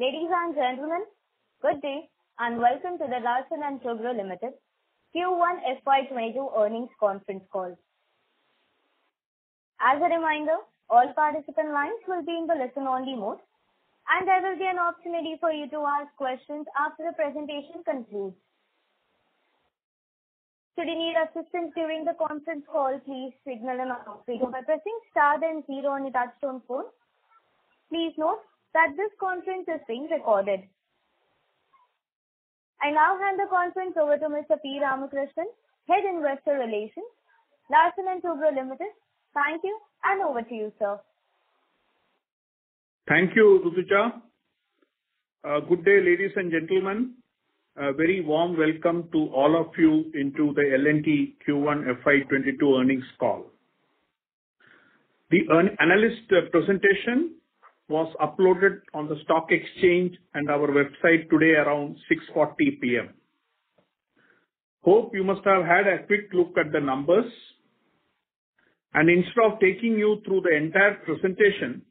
Ladies and gentlemen, good day, and welcome to the Larsen & Toubro Limited Q1 FY 2022 earnings conference call. As a reminder, all participant lines will be in the listen only mode, and there will be an opportunity for you to ask questions after the presentation concludes. Should you need assistance during the conference call, please signal an operator by pressing star then zero on your touchtone phone. Please note that this conference is being recorded. I now hand the conference over to Mr. P. Ramakrishnan, Head Investor Relations, Larsen & Toubro Limited. Thank you, and over to you, sir. Thank you, Good day, ladies and gentlemen. A very warm welcome to all of you into the L&T Q1 FY 2022 earnings call. The analyst presentation was uploaded on the stock exchange and our website today around 6:40 P.M. Hope you must have had a quick look at the numbers. Instead of taking you through the entire presentation,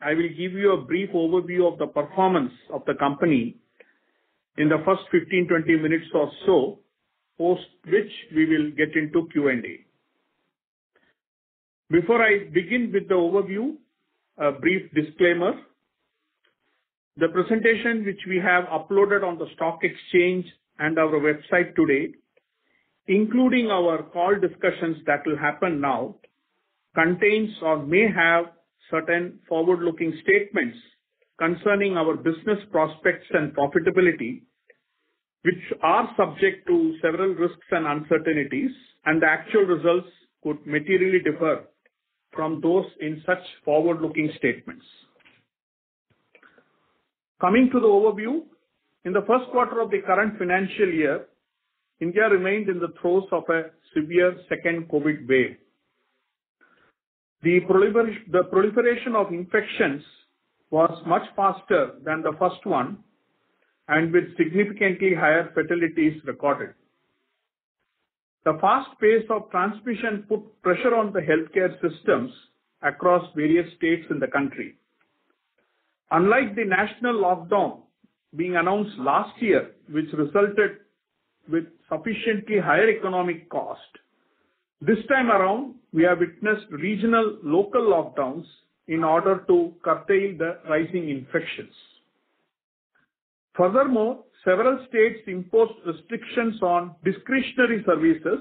I will give you a brief overview of the performance of the company in the first 15, 20 minutes or so, post which we will get into Q&A. Before I begin with the overview, a brief disclaimer. The presentation which we have uploaded on the stock exchange and our website today, including our call discussions that will happen now, contains or may have certain forward-looking statements concerning our business prospects and profitability, which are subject to several risks and uncertainties, and the actual results could materially differ from those in such forward-looking statements. Coming to the overview. In the first quarter of the current financial year, India remained in the throes of a severe second COVID wave. The proliferation of infections was much faster than the first one, and with significantly higher fatalities recorded. The fast pace of transmission put pressure on the healthcare systems across various states in the country. Unlike the national lockdown being announced last year, which resulted with sufficiently higher economic cost, this time around, we have witnessed regional local lockdowns in order to curtail the rising infections. Furthermore, several states imposed restrictions on discretionary services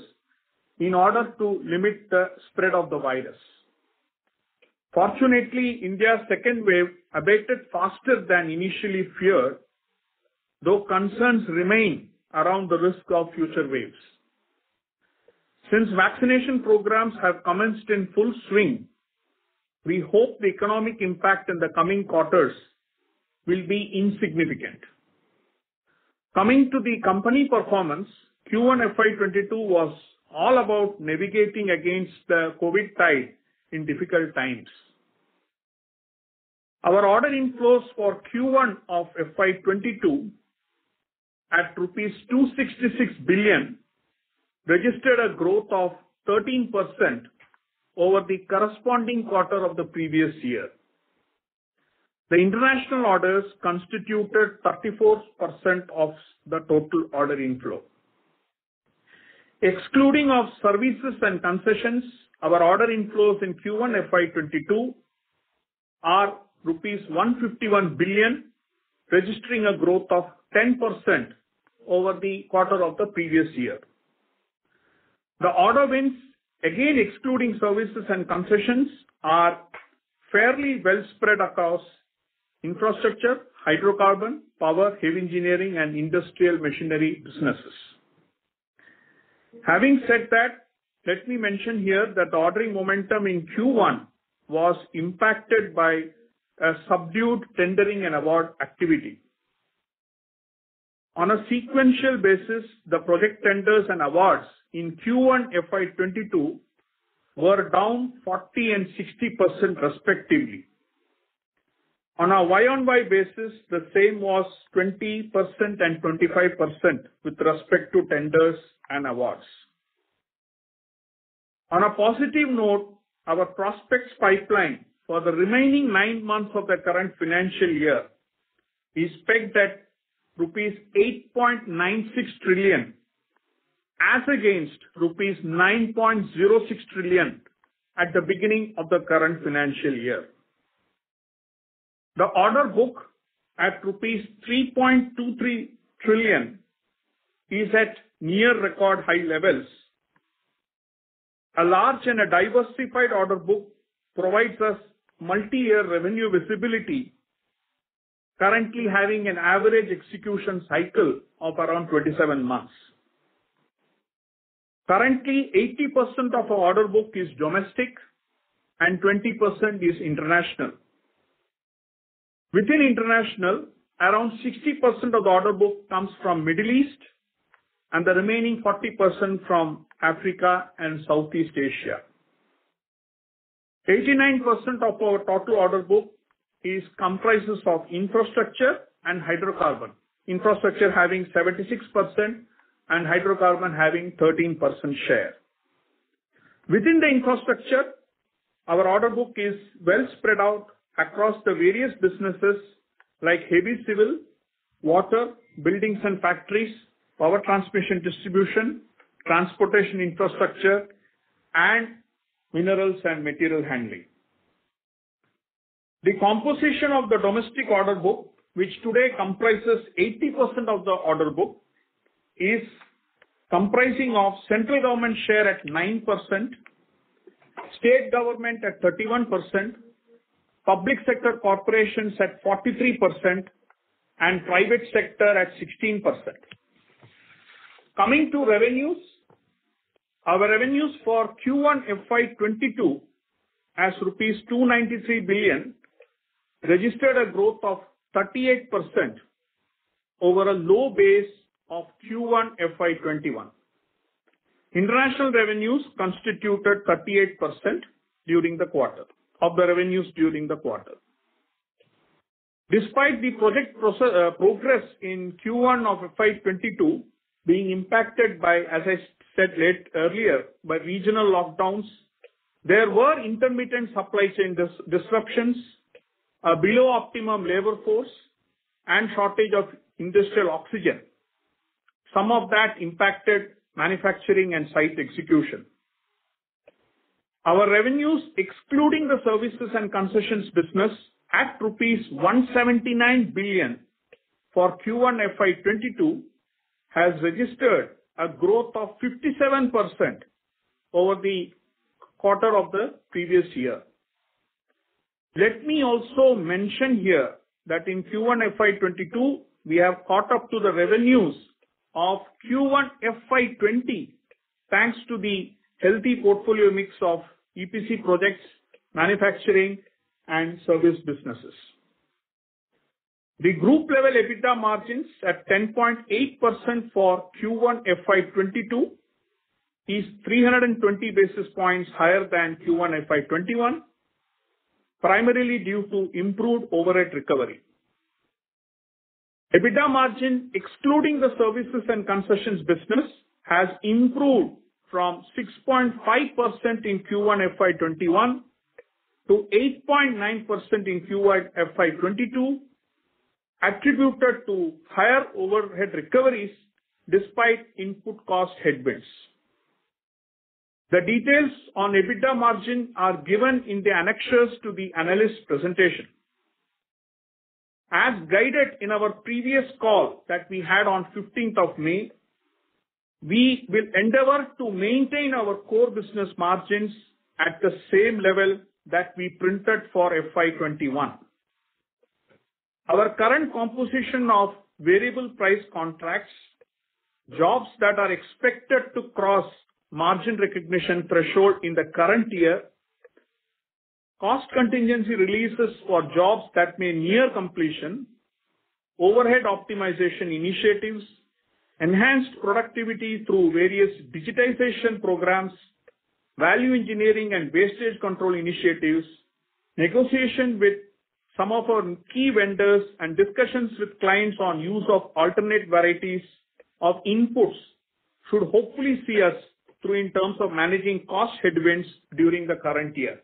in order to limit the spread of the virus. Fortunately, India's second wave abated faster than initially feared, though concerns remain around the risk of future waves. Since vaccination programs have commenced in full swing, we hope the economic impact in the coming quarters will be insignificant. Coming to the company performance, Q1 FY 2022 was all about navigating against the COVID tide in difficult times. Our order inflows for Q1 of FY 2022 at rupees 266 billion registered a growth of 13% over the corresponding quarter of the previous year. The international orders constituted 34% of the total order inflow. Excluding of services and concessions, our order inflows in Q1 FY 2022 are rupees 151 billion, registering a growth of 10% over the quarter of the previous year. The order wins, again excluding services and concessions, are fairly well-spread across infrastructure, hydrocarbon, power, heavy engineering, and industrial machinery businesses. Having said that, let me mention here that the ordering momentum in Q1 was impacted by a subdued tendering and award activity. On a sequential basis, the project tenders and awards in Q1 FY 2022 were down 40% and 60%, respectively. On a Y-on-Y basis, the same was 20% and 25% with respect to tenders and awards. On a positive note, our prospects pipeline for the remaining nine months of the current financial year is pegged at rupees 8.96 trillion as against rupees 9.06 trillion at the beginning of the current financial year. The order book at rupees 3.23 trillion is at near record-high levels. A large and a diversified order book provides us multi-year revenue visibility, currently having an average execution cycle of around 27 months. Currently, 80% of our order book is domestic and 20% is international. Within international, around 60% of the order book comes from Middle East, and the remaining 40% from Africa and Southeast Asia. 89% of our total order book comprises of infrastructure and hydrocarbon, infrastructure having 76% and hydrocarbon having 13% share. Within the infrastructure, our order book is well spread out across the various businesses like heavy civil, water, buildings and factories, power transmission distribution, transportation infrastructure, and minerals and material handling. The composition of the domestic order book, which today comprises 80% of the order book, is comprising of central government share at 9%, state government at 31%, public sector corporations at 43%, and private sector at 16%. Coming to revenues, our revenues for Q1 FY 2022 has rupees 293 billion, registered a growth of 38% over a low base of Q1 FY 2021. International revenues constituted 38% of the revenues during the quarter. Despite the project progress in Q1 FY 2022 being impacted by, as I said earlier, by regional lockdowns, there were intermittent supply chain disruptions, below-optimum labor force, and shortage of industrial oxygen. Some of that impacted manufacturing and site execution. Our revenues, excluding the services and concessions business at rupees 179 billion for Q1 FY 2022, has registered a growth of 57% over the quarter of the previous year. Let me also mention here that in Q1 FY 2022, we have caught up to the revenues of Q1 FY 2020, thanks to the healthy portfolio mix of EPC projects, manufacturing, and service businesses. The group level EBITDA margins at 10.8% for Q1 FY 2022 is 320 basis points higher than Q1 FY 2021, primarily due to improved overhead recovery. EBITDA margin, excluding the services and concessions business, has improved from 6.5% in Q1 FY 2021 to 8.9% in Q1 FY 2022, attributed to higher overhead recoveries despite input cost headwinds. The details on EBITDA margin are given in the annexures to the analyst presentation. As guided in our previous call that we had on 15th of May, we will endeavor to maintain our core business margins at the same level that we printed for FY 2021. Our current composition of variable price contracts, jobs that are expected to cross margin recognition threshold in the current year, cost contingency releases for jobs that may near completion, overhead optimization initiatives, enhanced productivity through various digitization programs, value engineering and wastage control initiatives, negotiation with some of our key vendors, and discussions with clients on use of alternate varieties of inputs should hopefully see us through in terms of managing cost headwinds during the current year.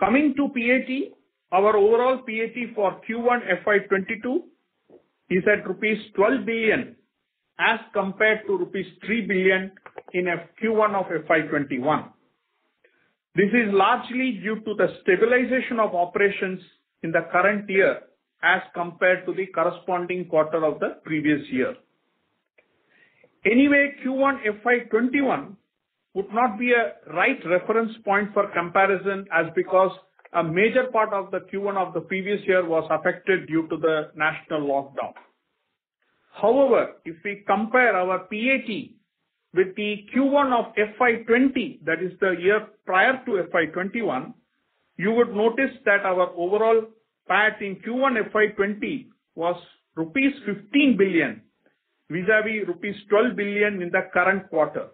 Coming to PAT, our overall PAT for Q1 FY 2022 is at rupees 12 billion as compared to rupees 3 billion in Q1 of FY 2021. This is largely due to the stabilization of operations in the current year as compared to the corresponding quarter of the previous year. Q1 FY 2021 would not be a right reference point for comparison as because a major part of the Q1 of the previous year was affected due to the national lockdown. However, if we compare our PAT with the Q1 of FY 2020, that is the year prior to FY 2021, you would notice that our overall PAT in Q1 FY 2020 was rupees 15 billion vis-à-vis rupees 12 billion in the current quarter.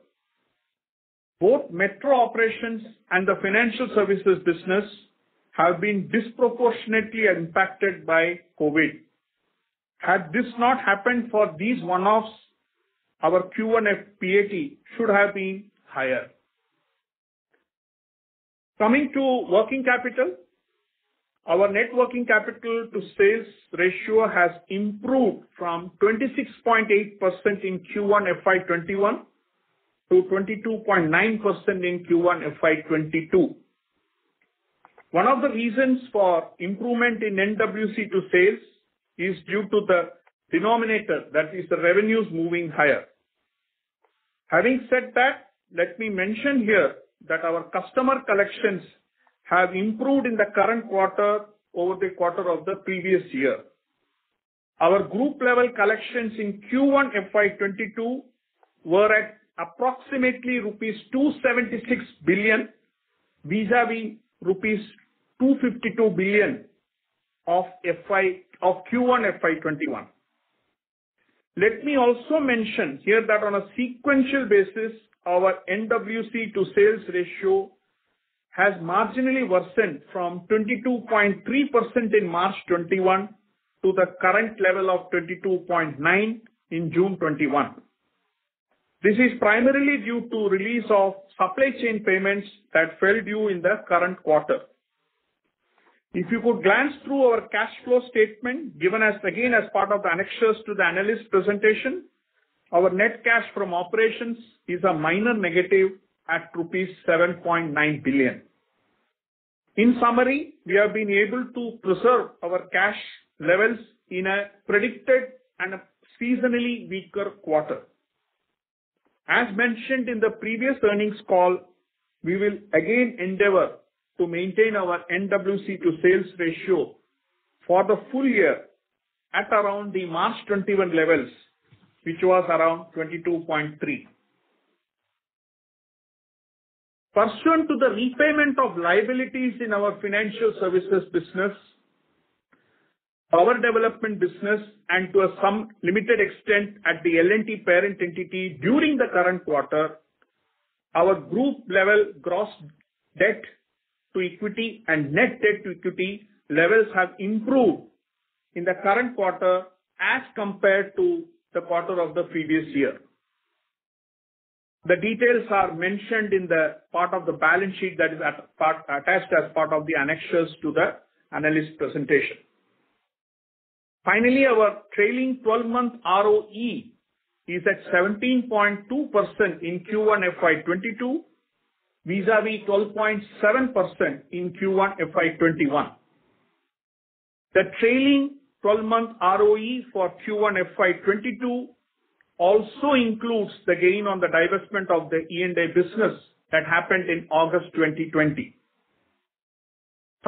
Both metro operations and the financial services business have been disproportionately impacted by COVID. Had this not happened for these one-offs, our Q1 PAT should have been higher. Coming to working capital, our net working capital to sales ratio has improved from 26.8% in Q1 FY 2021 to 22.9% in Q1 FY 2022. One of the reasons for improvement in NWC to sales is due to the denominator, that is the revenues moving higher. Let me mention here that our customer collections have improved in the current quarter over the quarter of the previous year. Our group level collections in Q1 FY 2022 were at approximately rupees 276 billion vis-à-vis rupees 252 billion of Q1 FY 2021. Let me also mention here that on a sequential basis, our NWC to sales ratio has marginally worsened from 22.3% in March 2021 to the current level of 22.9% in June 2021. This is primarily due to release of supply chain payments that fell due in the current quarter. If you could glance through our cash flow statement given again as part of the annexures to the analyst presentation, our net cash from operations is a minor negative at rupees 7.9 billion. In summary, we have been able to preserve our cash levels in a predicted and a seasonally weaker quarter. As mentioned in the previous earnings call, we will again endeavor to maintain our NWC to sales ratio for the full-year at around the March 2021 levels, which was around 22.3%. Pursuant to the repayment of liabilities in our financial services business, power development business, and to some limited extent at the L&T parent entity during the current quarter, our group level gross debt to equity and net debt to equity levels have improved in the current quarter as compared to the quarter of the previous year. The details are mentioned in the part of the balance sheet that is attached as part of the annexures to the analyst presentation. Finally, our trailing 12 month ROE is at 17.2% in Q1 FY 2022, vis-à-vis 12.7% in Q1 FY 2021. The trailing 12 month ROE for Q1 FY 2022 also includes the gain on the divestment of the E&A business that happened in August 2020.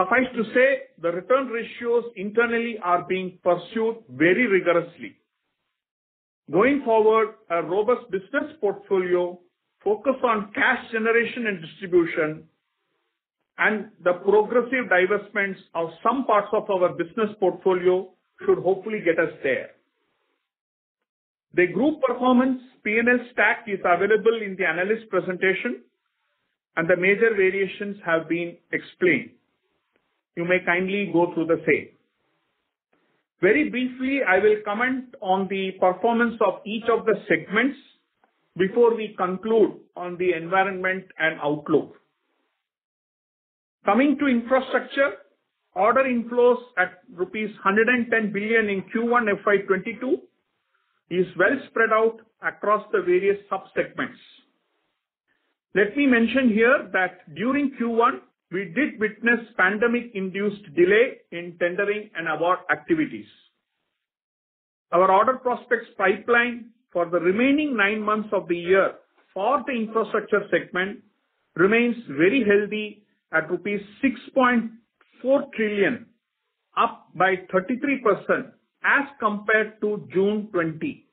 Suffice to say, the return ratios internally are being pursued very rigorously. A robust business portfolio focus on cash generation and distribution and the progressive divestments of some parts of our business portfolio should hopefully get us there. The group performance P&L stack is available in the analyst presentation, and the major variations have been explained. You may kindly go through the same. Very briefly, I will comment on the performance of each of the segments before we conclude on the environment and outlook. Coming to infrastructure, order inflows at rupees 110 billion in Q1 FY 2022 is well spread out across the various sub-segments. Let me mention here that during Q1 we did witness pandemic-induced delay in tendering and award activities. Our order prospects pipeline for the remaining nine months of the year for the infrastructure segment remains very healthy at rupees 6.4 trillion, up by 33% as compared to June 2020.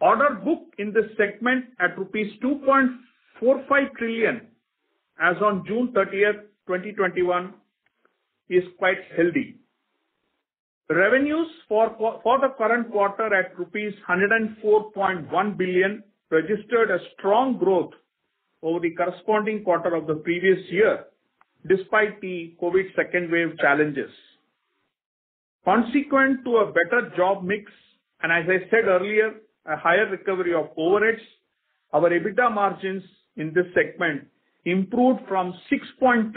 Order booked in this segment at rupees 2.45 trillion as on June 30, 2021, is quite healthy. Revenues for the current quarter at rupees 104.1 billion registered a strong growth over the corresponding quarter of the previous year, despite the COVID second wave challenges. Consequent to a better job mix, and as I said earlier, a higher recovery of overheads, our EBITDA margins in this segment improved from 6.3%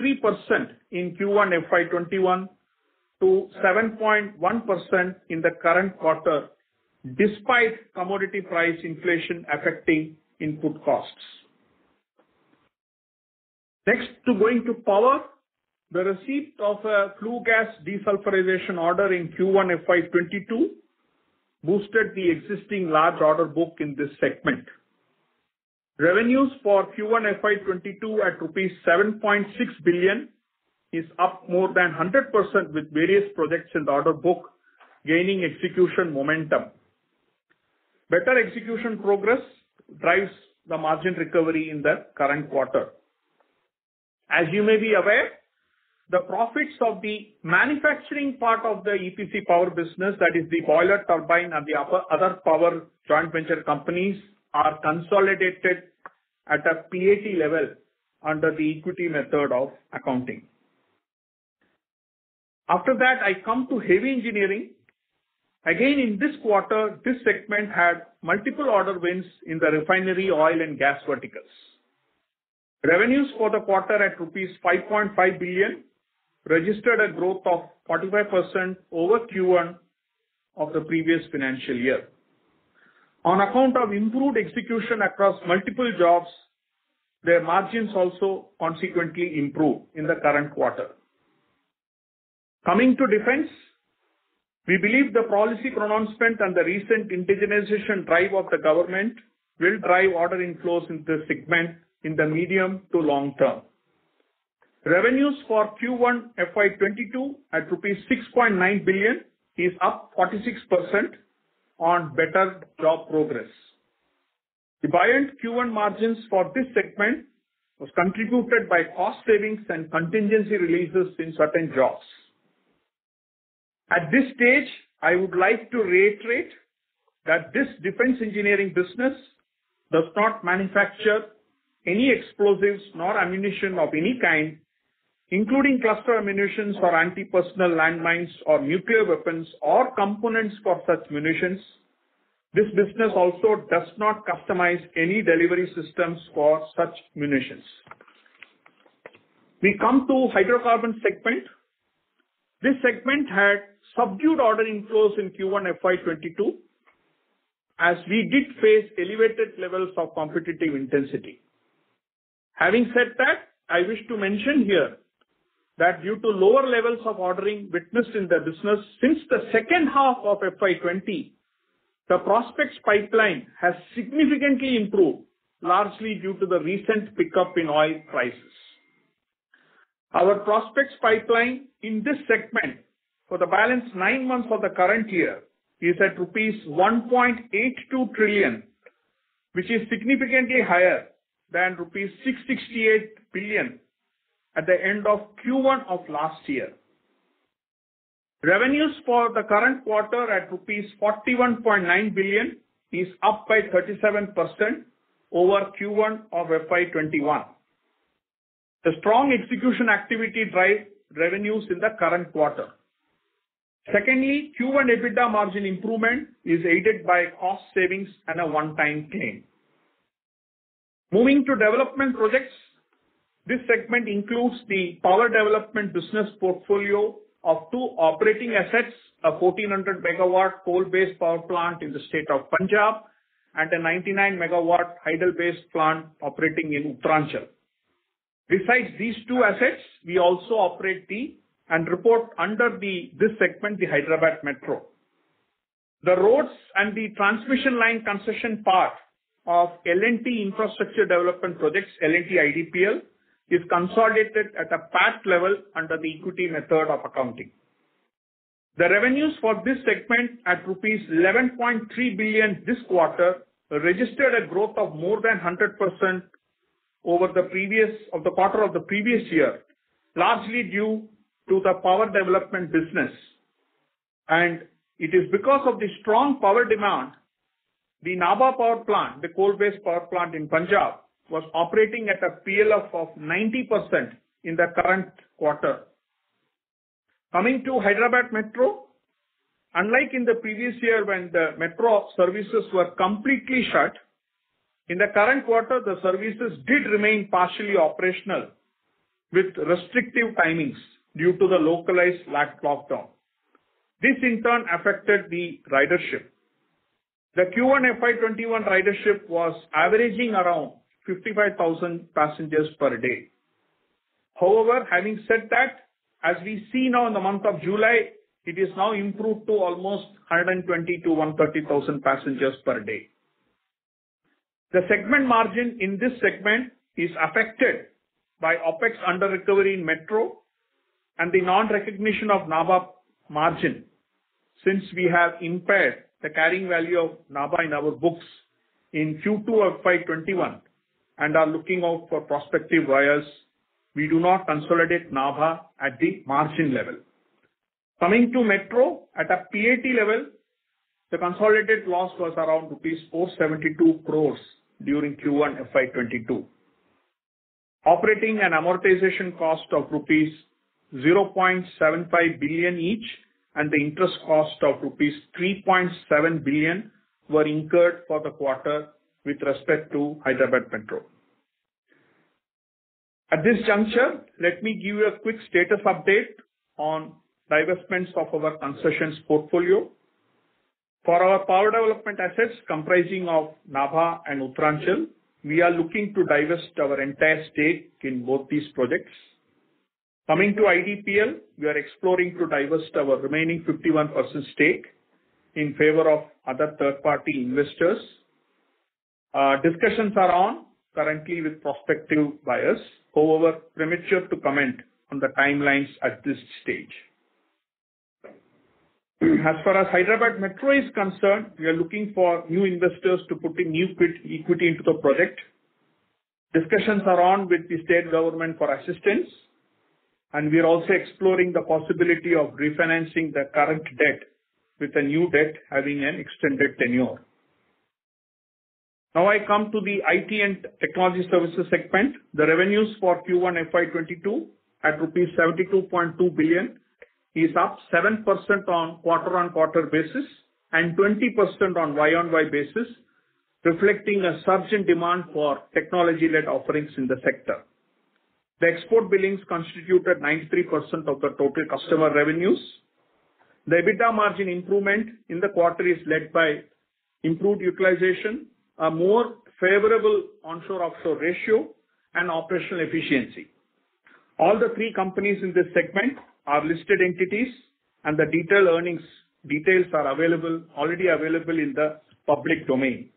in Q1 FY 2021 to 7.1% in the current quarter, despite commodity price inflation affecting input costs. Next to going to power. The receipt of a flue-gas desulfurization order in Q1 FY 2022 boosted the existing large order book in this segment. Revenues for Q1 FY 2022 at rupees 7.6 billion is up more than 100%, with various projects in the order book gaining execution momentum. Better execution progress drives the margin recovery in the current quarter. As you may be aware, the profits of the manufacturing part of the EPC power business, that is the boiler turbine and the other power joint venture companies are consolidated at a PAT level under the equity method of accounting. After that, I come to heavy engineering. In this quarter, this segment had multiple order wins in the refinery oil and gas verticals. Revenues for the quarter at rupees 5.5 billion registered a growth of 45% over Q1 of the previous financial year. On account of improved execution across multiple jobs, their margins also consequently improved in the current quarter. Coming to defense, we believe the policy pronouncement and the recent indigenization drive of the government will drive order inflows in this segment in the medium to long term. Revenues for Q1 FY 2022 at rupees 6.9 billion is up 46% on better job progress. EBITDA Q1 margins for this segment was contributed by cost savings and contingency releases in certain jobs. At this stage, I would like to reiterate that this defense engineering business does not manufacture any explosives nor ammunition of any kind, including cluster ammunitions or anti-personnel landmines or nuclear weapons, or components for such munitions. This business also does not customize any delivery systems for such munitions. We come to hydrocarbon segment. This segment had subdued order inflows in Q1 FY 2022, as we did face elevated levels of competitive intensity. Having said that, I wish to mention here that due to lower levels of ordering witnessed in the business since the second half of FY 2020, the prospects pipeline has significantly improved, largely due to the recent pickup in oil prices. Our prospects pipeline in this segment for the balance nine months of the current year is at rupees 1.82 trillion, which is significantly higher than rupees 668 billion at the end of Q1 of last year. Revenues for the current quarter at rupees 41.9 billion is up by 37% over Q1 of FY 2021. The strong execution activity drive revenues in the current quarter. Secondly, Q1 EBITDA margin improvement is aided by cost savings and a one-time gain. Moving to development projects. This segment includes the power development business portfolio of two operating assets, a 1,400MW coal-based power plant in the state of Punjab, and a 99MW hydel-based plant operating in Uttaranchal. Besides these two assets, we also operate the, and report under this segment, the Hyderabad Metro. The roads and the transmission line concession part of L&T Infrastructure Development Projects, L&T IDPL, is consolidated at a PAT level under the equity method of accounting. The revenues for this segment at rupees 11.3 billion this quarter registered a growth of more than 100% over the quarter of the previous year, largely due to the power development business. It is because of the strong power demand, the Nabha Power Plant, the coal-based power plant in Punjab, was operating at a PLF of 90% in the current quarter. Coming to Hyderabad Metro. Unlike in the previous year when the metro services were completely shut, in the current quarter, the services did remain partially operational with restrictive timings due to the localized lockdown. This, in turn, affected the ridership. The Q1 FY 2021 ridership was averaging around 55,000 passengers per day. Having said that, as we see now in the month of July, it is now improved to almost 120,000-130,000 passengers per day. The segment margin in this segment is affected by OpEx under recovery in Metro and the non-recognition of Nabha margin. We have impaired the carrying value of Nabha in our books in Q2 of FY 2021 and are looking out for prospective buyers, we do not consolidate Nabha at the margin level. Coming to Metro at a PAT level, the consolidated loss was around 472 crores rupees during Q1 FY 2022. Operating and amortization cost of rupees 0.75 billion each, and the interest cost of rupees 3.7 billion were incurred for the quarter with respect to Hyderabad Metro. At this juncture, let me give you a quick status update on divestments of our concessions portfolio. For our power development assets comprising of Nabha and Uttaranchal, we are looking to divest our entire stake in both these projects. Coming to IDPL, we are exploring to divest our remaining 51% stake in favor of other third-party investors. Discussions are on currently with prospective buyers. Premature to comment on the timelines at this stage. As far as Hyderabad Metro is concerned, we are looking for new investors to put in new equity into the project. Discussions are on with the state government for assistance, and we are also exploring the possibility of refinancing the current debt with a new debt having an extended tenure. I come to the IT and technology services segment. The revenues for Q1 FY 2022 at rupees 72.2 billion is up 7% on quarter-on-quarter basis and 20% on Y-on-Y basis, reflecting a substantive demand for technology-led offerings in the sector. The export billings constituted 93% of the total customer revenues. The EBITDA margin improvement in the quarter is led by improved utilization, a more favorable onshore-offshore ratio, and operational efficiency. All the three companies in this segment are listed entities, and the detailed earnings details are already available in the public domain.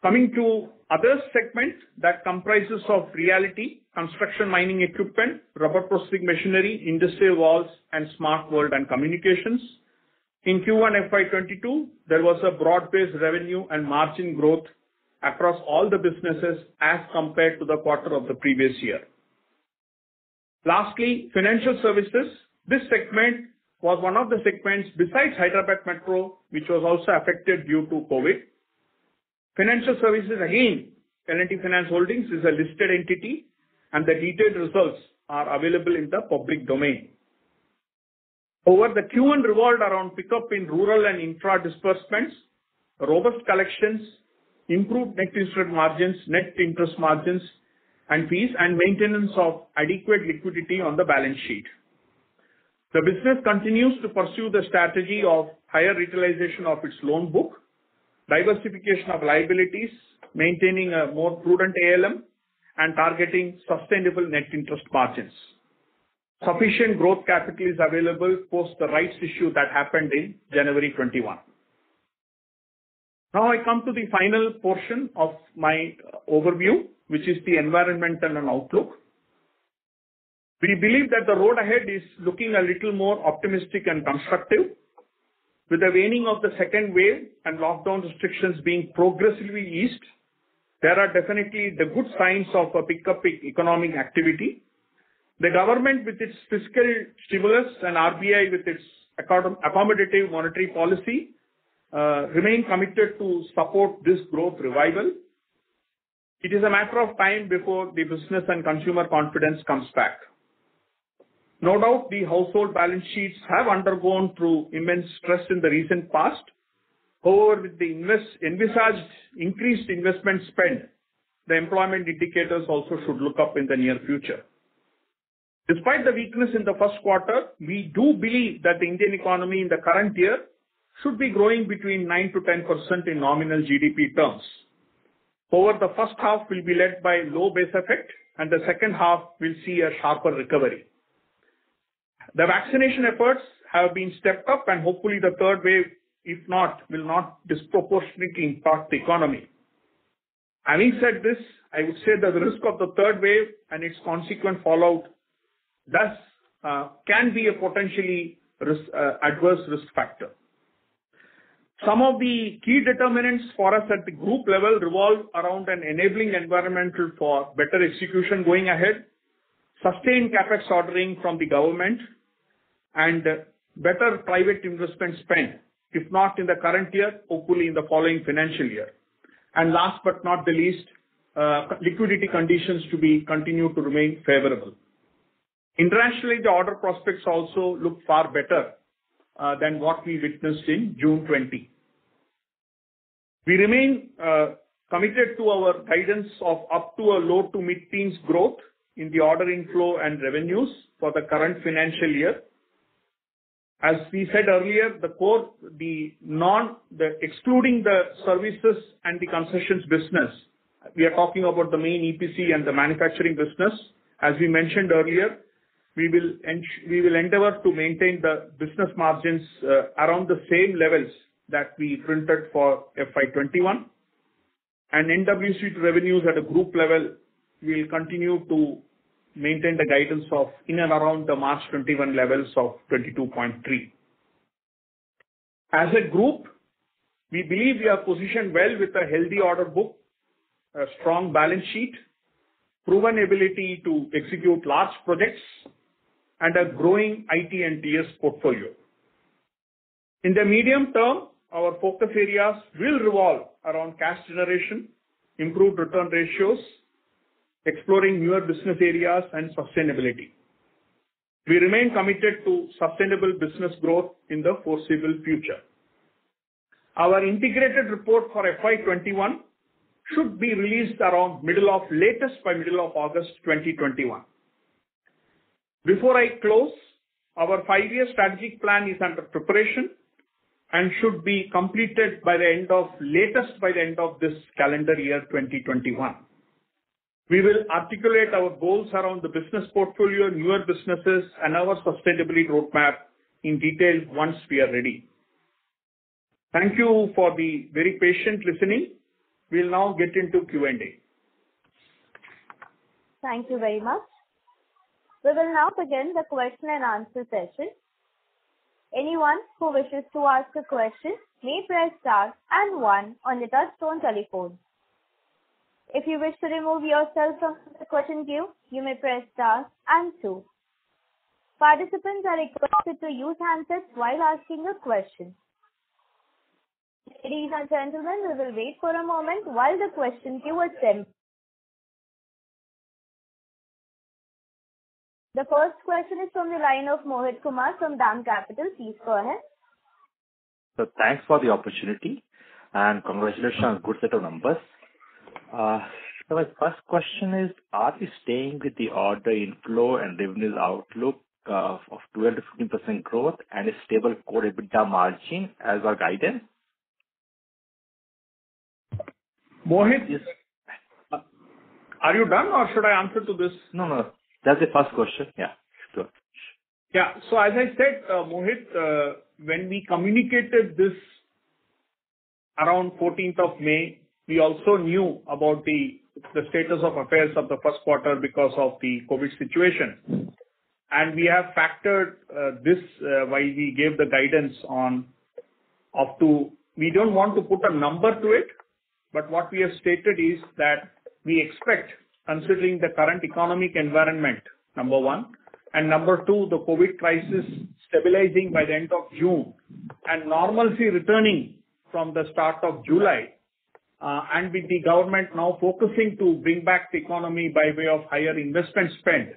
Coming to other segments that comprises of Realty, Construction Mining Equipment, Rubber Processing Machinery, Industrial Valves, and Smart World & Communication. In Q1 FY 2022, there was a broad-based revenue and margin growth across all the businesses as compared to the quarter of the previous year. Lastly, financial services. This segment was one of the segments besides Hyderabad Metro, which was also affected due to COVID. Financial services again, L&T Finance Holdings is a listed entity. The detailed results are available in the public domain. Over the Q1 revolved around pickup in rural and infra disbursements, robust collections, improved net interest margins, and fees, and maintenance of adequate liquidity on the balance sheet. The business continues to pursue the strategy of higher utilization of its loan book, diversification of liabilities, maintaining a more prudent ALM, and targeting sustainable net interest margins. Sufficient growth capital is available post the rights issue that happened in January 2021. Now I come to the final portion of my overview, which is the environmental and outlook. We believe that the road ahead is looking a little more optimistic and constructive. With the waning of the second wave and lockdown restrictions being progressively eased, there are definitely the good signs of a pickup in economic activity. The government with its fiscal stimulus and RBI with its accommodative monetary policy, remain committed to support this growth revival. It is a matter of time before the business and consumer confidence comes back. No doubt, the household balance sheets have undergone through immense stress in the recent past. However, with the envisaged increased investment spend, the employment indicators also should look up in the near future. Despite the weakness in the first quarter, we do believe that the Indian economy in the current year should be growing between 9%-10% in nominal GDP terms. Over the first half will be led by low base effect, and the second half will see a sharper recovery. The vaccination efforts have been stepped up and hopefully the third wave will not disproportionately impact the economy. Having said this, I would say that the risk of the third wave and its consequent fallout thus can be a potentially adverse risk factor. Some of the key determinants for us at the group level revolve around an enabling environment for better execution going ahead, sustained CapEx ordering from the government, and better private investment spend, if not in the current year, hopefully in the following financial year. Last but not the least, liquidity conditions to be continued to remain favorable. Internationally, the order prospects also look far better than what we witnessed in June 2020. We remain committed to our guidance of up to a low- to mid-teens growth in the ordering flow and revenues for the current financial year. As we said earlier, excluding the services and the concessions business, we are talking about the main EPC and the manufacturing business. As we mentioned earlier, we will endeavor to maintain the business margins around the same levels that we printed for FY 2021. NWC revenues at a group level will continue to maintain the guidance of in and around the March 2021 levels of 22.3. As a group, we believe we are positioned well with a healthy order book, a strong balance sheet, proven ability to execute large projects, and a growing IT and TS portfolio. In the medium term, our focus areas will revolve around cash generation, improved return ratios, exploring newer business areas and sustainability. We remain committed to sustainable business growth in the foreseeable future. Our integrated report for FY 2021 should be released latest by middle of August 2021. Before I close, our five year strategic plan is under preparation and should be completed latest by the end of this calendar year 2021. We will articulate our goals around the business portfolio, newer businesses, and our sustainability roadmap in detail once we are ready. Thank you for the very patient listening. We'll now get into Q&A. Thank you very much. We will now begin the question and answer session. Anyone who wishes to ask a question may press star one on your touchtone telephone. If you wish to remove yourself from the question queue, you may press star two. Participants are requested to use handsets while asking a question. Ladies and gentlemen, we will wait for a moment while the question queue is sent. The first question is from the line of Mohit Kumar from DAM Capital. Please go ahead. Sir, thanks for the opportunity and congratulations on good set of numbers. My first question is, are we staying with the order inflow and revenues outlook of 12%-15% growth and a stable core EBITDA margin as our guidance? Mohit. Yes. Are you done or should I answer to this? No, no. That's the first question. Yeah, sure. Yeah. As I said, Mohit, when we communicated this around 14th of May, we also knew about the status of affairs of the first quarter because of the COVID situation. We have factored this while we gave the guidance. We don't want to put a number to it, but what we have stated is that we expect considering the current economic environment, number one, and number two, the COVID crisis stabilizing by the end of June, and normalcy returning from the start of July. With the government now focusing to bring back the economy by way of higher investment spend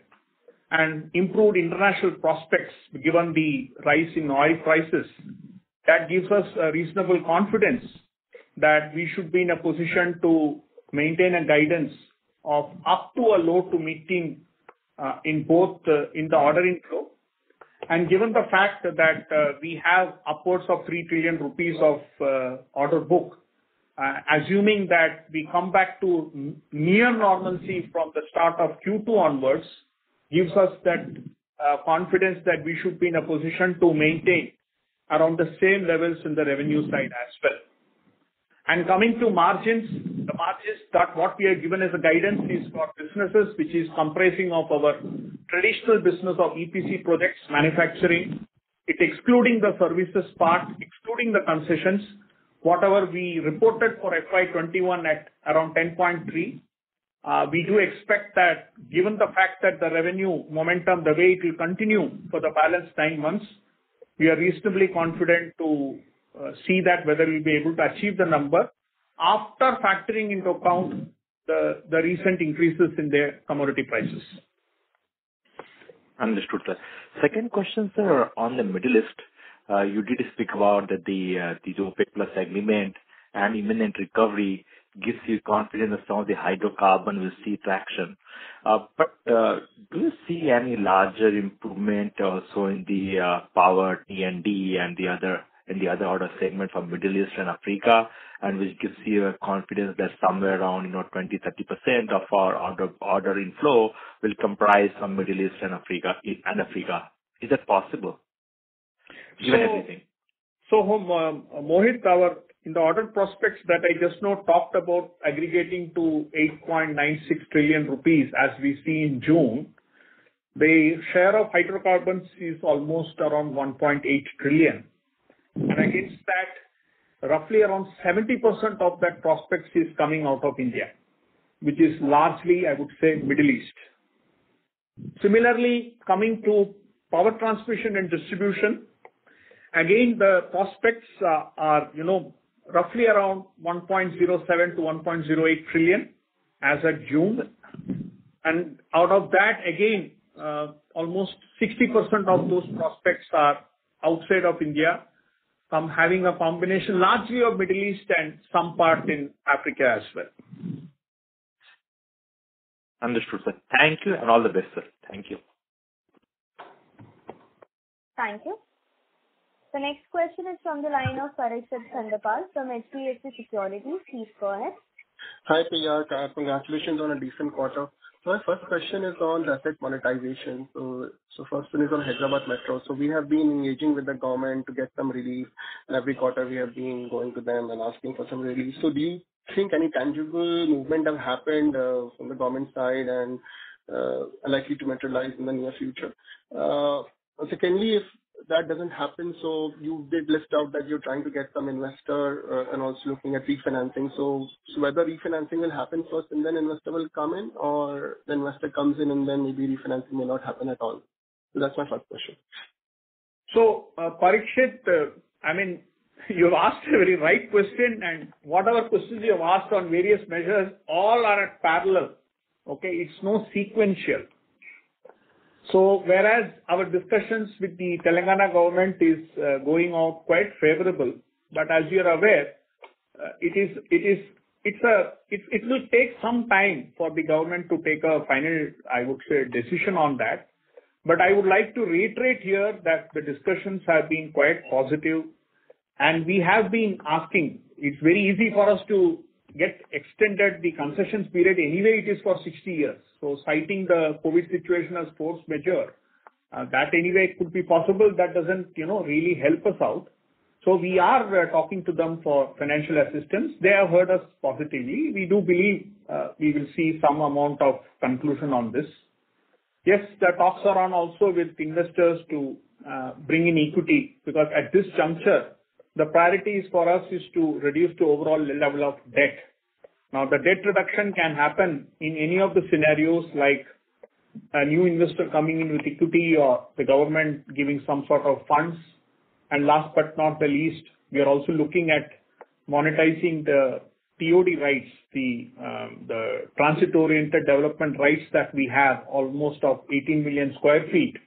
and improved international prospects, given the rise in oil prices, that gives us a reasonable confidence that we should be in a position to maintain a guidance of up to a low to mid-teens in the order inflow. Given the fact that we have upwards of 3 trillion rupees of order book, assuming that we come back to near normalcy from the start of Q2 onwards, gives us that confidence that we should be in a position to maintain around the same levels in the revenue side as well. Coming to margins, the margins that what we have given as a guidance is for businesses which is comprising of our traditional business of EPC projects manufacturing. It excluding the services part, excluding the concessions. Whatever we reported for FY 2021 at around 10.3%, we do expect that given the fact that the revenue momentum, the way it will continue for the balance nine months, we are reasonably confident to see that whether we'll be able to achieve the number after factoring into account the recent increases in their commodity prices. Understood, sir. Second question, sir, on the Middle East. You did speak about the OPEC+ agreement, imminent recovery gives you confidence on the hydrocarbon will see traction. Do you see any larger improvement also in the power T&D and the other order segment from Middle East and Africa, which gives you a confidence that somewhere around 20%-30% of our order inflow will comprise from Middle East and Africa. Is that possible? Do you have anything? Mohit, in the order prospects that I just now talked about aggregating to 8.96 trillion rupees as we see in June, the share of hydrocarbons is almost around 1.8 trillion. Against that, roughly around 70% of that prospects is coming out of India, which is largely, I would say Middle East. Similarly, coming to power transmission and distribution, again, the prospects are roughly around 1.07 trillion-1.08 trillion as at June. Out of that, again, almost 60% of those prospects are outside of India, from having a combination largely of Middle East and some part in Africa as well. Understood, sir. Thank you and all the best, sir. Thank you. Thank you. The next question is from the line of Parikshit Kandpal from HDFC Securities. Please go ahead. Hi. Congratulations on a decent quarter. My first question is on asset monetization. First one is on Hyderabad Metro. We have been engaging with the government to get some relief. Every quarter we have been going to them and asking for some relief. Do you think any tangible movement have happened from the government side and likely to materialize in the near future? Secondly, if that doesn't happen, you did list out that you're trying to get some investor and also looking at refinancing. Whether refinancing will happen first and then investor will come in, or the investor comes in and then maybe refinancing may not happen at all. That's my first question. Parikshit, you've asked a very right question, and whatever questions you have asked on various measures, all are at parallel. Okay. It's not sequential. Whereas our discussions with the Telangana Government is going on quite favorable, but as you're aware, it will take some time for the Government to take a final, I would say, decision on that. I would like to reiterate here that the discussions have been quite positive, and we have been asking. It's very easy for us to get extended the concessions period. Anyway, it is for 60 years. Citing the COVID situation as force majeure, that anyway could be possible. That doesn't really help us out. We are talking to them for financial assistance. They have heard us positively. We do believe we will see some amount of conclusion on this. Yes, the talks are on also with investors to bring in equity because at this juncture, the priority for us is to reduce the overall level of debt. Now, the debt reduction can happen in any of the scenarios like a new investor coming in with equity or the government giving some sort of funds. Last but not the least, we are also looking at monetizing the TOD rights, the Transit-Oriented Development rights that we have almost of 18 million square feet.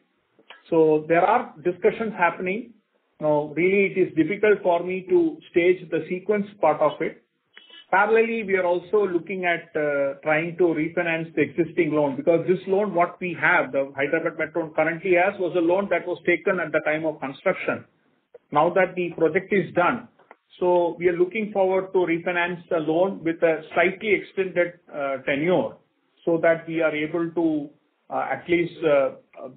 There are discussions happening. Really, it is difficult for me to stage the sequence part of it. Parallelly, we are also looking at trying to refinance the existing loan because this loan, what we have, the Hyderabad Metro currently has, was a loan that was taken at the time of construction. That the project is done, we are looking forward to refinance the loan with a slightly extended tenure. That we are able to at least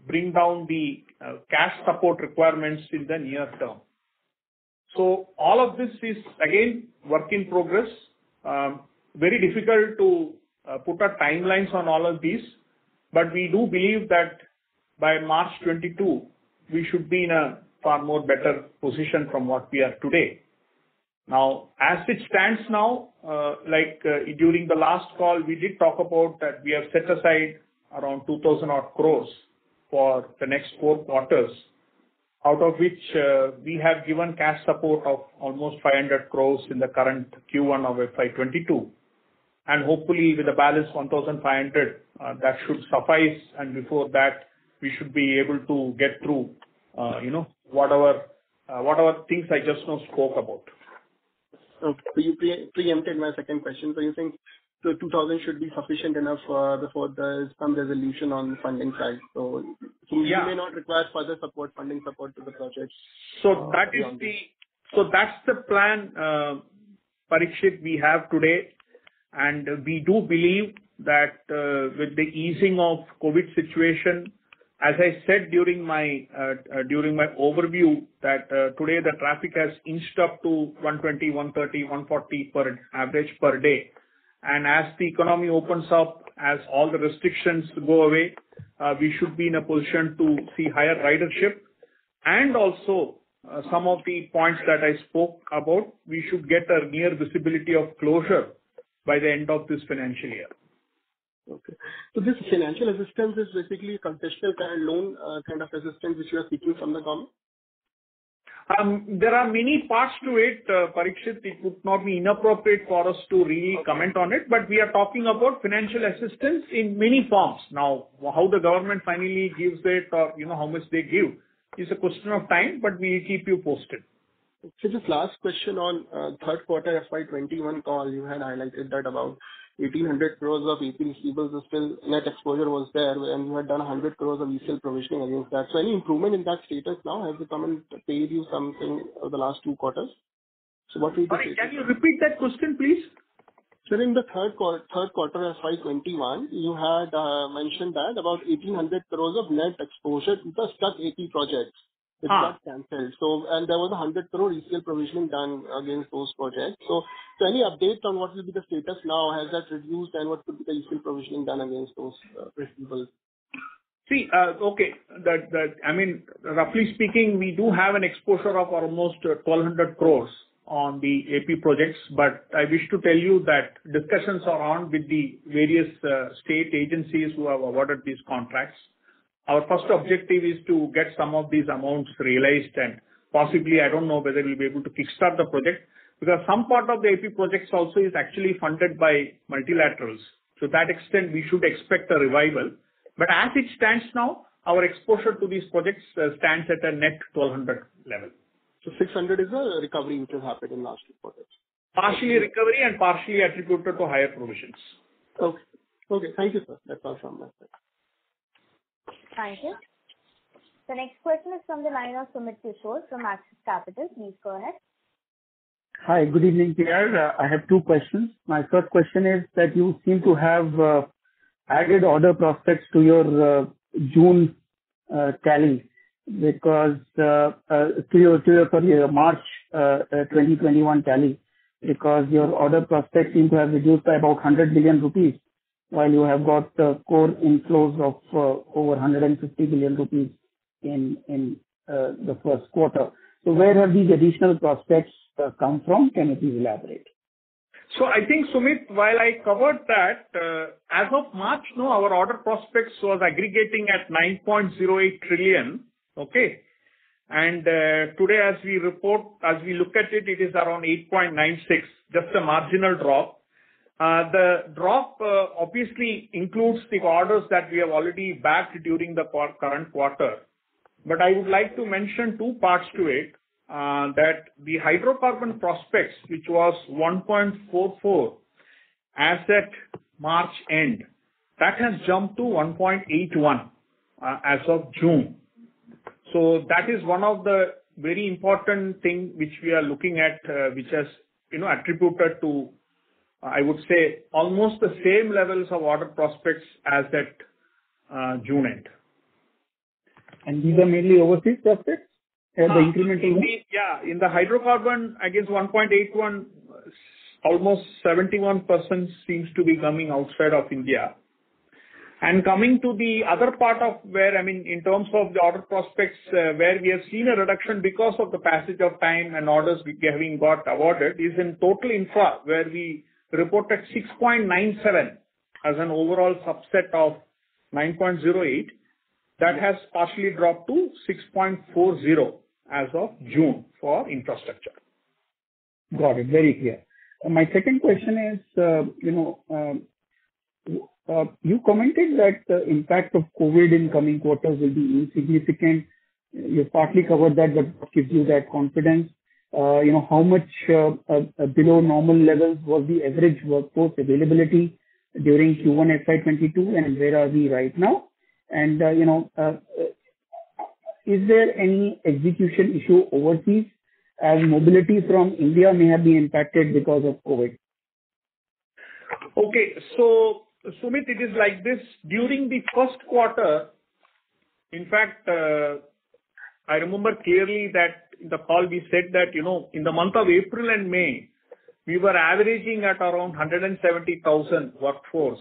bring down the cash support requirements in the near term. All of this is, again, work in progress. Very difficult to put timelines on all of these. We do believe that by March 2022, we should be in a far more better position from what we are today. As it stands now, during the last call, we did talk about that we have set aside around 2,000 odd crore for the next four quarters, out of which we have given cash support of almost 500 crore in the current Q1 of FY 2022. Hopefully with the balance 1,500 crore, that should suffice, and before that, we should be able to get through whatever things I just now spoke about. Okay. You preempted my second question. You think the 2,000 should be sufficient enough before there's some resolution on the funding side? Yeah. You may not require further funding support to the projects beyond this. That's the plan, Parikshit, we have today. We do believe that with the easing of COVID situation, as I said during my overview, that today the traffic has inched up to 120, 130, 140 average per day. As the economy opens up, as all the restrictions go away, we should be in a position to see higher ridership. Also, some of the points that I spoke about, we should get a near visibility of closure by the end of this financial year. Okay. This financial assistance is basically concessional kind of loan, kind of assistance which you are seeking from the government? There are many parts to it, Parikshit. It would not be inappropriate for us to really comment on it. Okay. We are talking about financial assistance in many forms. How the government finally gives it, how much they give is a question of time, but we'll keep you posted. Sir, just last question on third quarter FY 2021 call. You had highlighted that about 1,800 crores of AP receivables net exposure was there, and you had done 100 crores of ECL provisioning against that. Any improvement in that status now? Has the government paid you something over the last two quarters? What will be the- Sorry, can you repeat that question, please? Sir, in the third quarter FY 2021, you had mentioned that about 1,800 crore of net exposure into stuck AP projects- were stuck, canceled. There was 100 crore retail provisioning done against those projects. Any updates on what will be the status now? Has that reduced, and what could be the retail provisioning done against those receivables? See, okay. Roughly speaking, we do have an exposure of almost 1,200 crores on the AP projects. I wish to tell you that discussions are on with the various state agencies who have awarded these contracts. Our first objective is to get some of these amounts realized and possibly, I don't know whether we'll be able to kickstart the project. Some part of the AP projects also is actually funded by multilaterals. To that extent, we should expect a revival. As it stands now, our exposure to these projects stands at a net 1,200 level. 600 is the recovery which has happened in the last two quarters. Partially recovery and partially attributed to higher provisions. Okay. Thank you, sir. That's all from my side. Thank you. The next question is from the line of Sumit Kishore from Axis Capital. Please go ahead. Hi. Good evening, PR. I have two questions. My first question is that you seem to have added order prospects to your March 2021 tally, because your order prospects seem to have reduced by about 100 billion rupees while you have got core inflows of over 150 billion rupees in the first quarter. Where have these additional prospects come from? Can you please elaborate? I think, Sumit, while I covered that, as of March, our order prospects was aggregating at 9.08 trillion. Okay. Today as we look at it is around 8.96 trillion. Just a marginal drop. The drop obviously includes the orders that we have already backed during the current quarter. I would like to mention two parts to it, that the hydrocarbon prospects, which was 1.44 trillion as at March end, that has jumped to 1.81 trillion as of June. That is one of the very important thing which we are looking at, which has attributed to, I would say, almost the same levels of order prospects as at June end. These are mainly overseas prospects? The incremental ones? Yeah. In the hydrocarbon, I guess 1.81, almost 71% seems to be coming outside of India. Coming to the other part of where, in terms of the order prospects, where we have seen a reduction because of the passage of time and orders having got awarded, is in total infra, where we reported 6.97 as an overall subset of 9.08. That has partially dropped to 6.40 as of June for infrastructure. Got it. Very clear. My second question is, you commented that the impact of COVID in coming quarters will be insignificant. You've partly covered that, what gives you that confidence. How much below normal levels was the average workforce availability during Q1 FY 2022, and where are we right now? Is there any execution issue overseas as mobility from India may have been impacted because of COVID? Okay. Sumit, it is like this. During the first quarter, in fact, I remember clearly that in the call we said that in the month of April and May, we were averaging at around 170,000 workforce.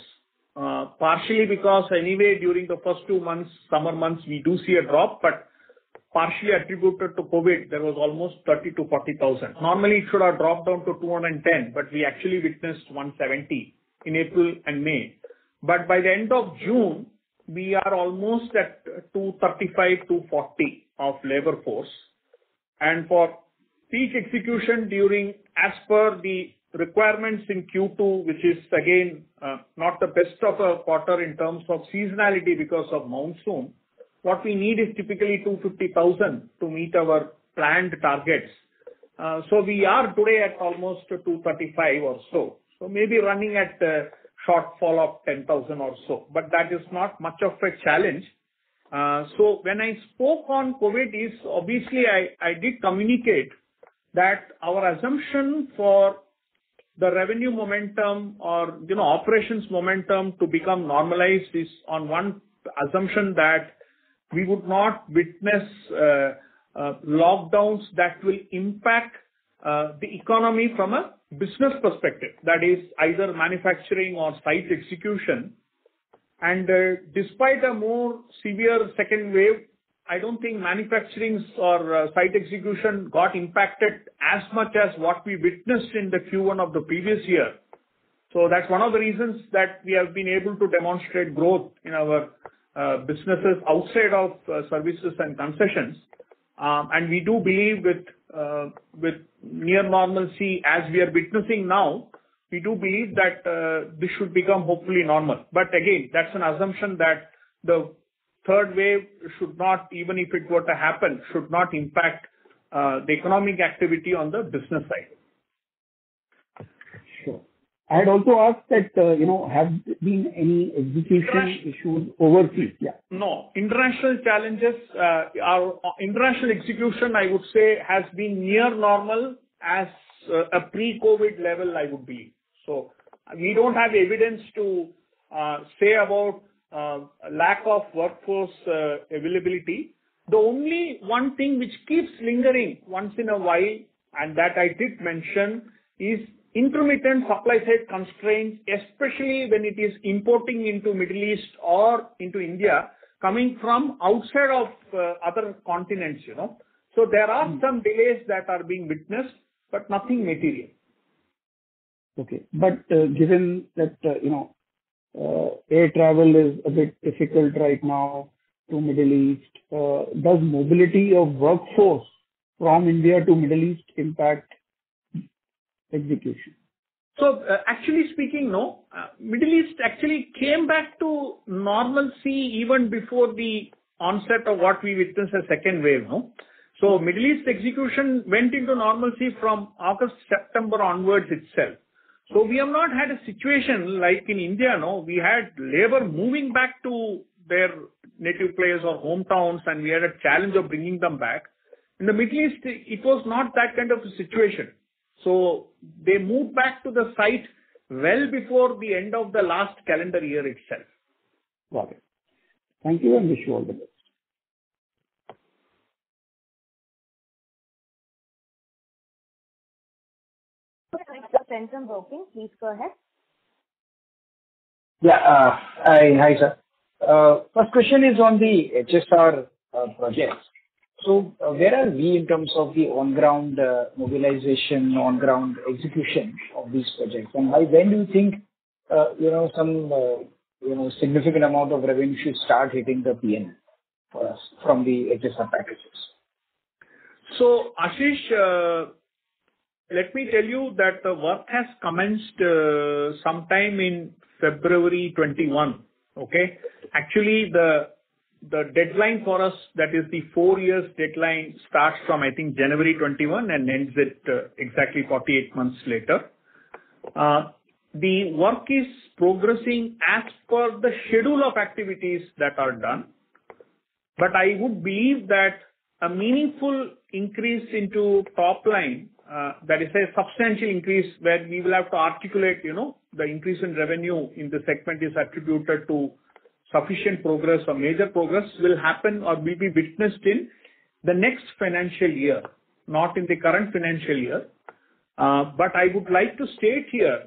Partially because anyway during the first two months, summer months, we do see a drop, but partially attributed to COVID, there was almost 30,000-40,000. Normally it should have dropped down to 210,000, we actually witnessed 170,000 in April and May. By the end of June, we are almost at 235,000-240,000 of labor force. For peak execution during, as per the requirements in Q2, which is again, not the best of a quarter in terms of seasonality because of monsoon, what we need is typically 250,000 to meet our planned targets. We are today at almost 235,000 or so. Maybe running at a shortfall of 10,000 or so. That is not much of a challenge. When I spoke on COVID is obviously I did communicate that our assumption for the revenue momentum or operations momentum to become normalized is on one assumption that we would not witness lockdowns that will impact the economy from a business perspective, that is either manufacturing or site execution. Despite a more severe second wave, I don't think manufacturing or site execution got impacted as much as what we witnessed in the Q1 of the previous year. That's one of the reasons that we have been able to demonstrate growth in our businesses outside of services and concessions. We do believe with near normalcy, as we are witnessing now, we do believe that this should become hopefully normal. Again, that's an assumption that the third wave, even if it were to happen, should not impact the economic activity on the business side. Sure. I had also asked that, have there been any execution issues overseas? Yeah. No. International execution, I would say, has been near normal as a pre-COVID level, I would believe. We don't have evidence to say about lack of workforce availability. The only one thing which keeps lingering once in a while, and that I did mention, is intermittent supply side constraints, especially when it is importing into Middle East or into India, coming from outside of other continents. There are some delays that are being witnessed, but nothing material. Okay. Given that air travel is a bit difficult right now to Middle East, does mobility of workforce from India to Middle East impact execution? Actually speaking, no. Middle East actually came back to normalcy even before the onset of what we witnessed as second wave. Middle East execution went into normalcy from August, September onwards itself. We have not had a situation like in India. No, we had labor moving back to their native place or hometowns, and we had a challenge of bringing them back. In the Middle East, it was not that kind of a situation. They moved back to the site well before the end of the last calendar year itself. Got it. Thank you and wish you all the best. Next is from Centrum Broking. Please go ahead. Yeah. Hi, sir. First question is on the HSR projects. Where are we in terms of the on-ground mobilization, on-ground execution of these projects? By when do you think some significant amount of revenue should start hitting the P&L for us from the HSR packages? Ashish, let me tell you that the work has commenced sometime in February 2021. Okay. Actually, the deadline for us, that is the four years deadline, starts from, I think, January 2021 and ends at exactly 48 months later. The work is progressing as per the schedule of activities that are done. I would believe that a meaningful increase into top line, that is a substantial increase where we will have to articulate the increase in revenue in the segment is attributed to sufficient progress or major progress, will happen or will be witnessed in the next financial year, not in the current financial year. I would like to state here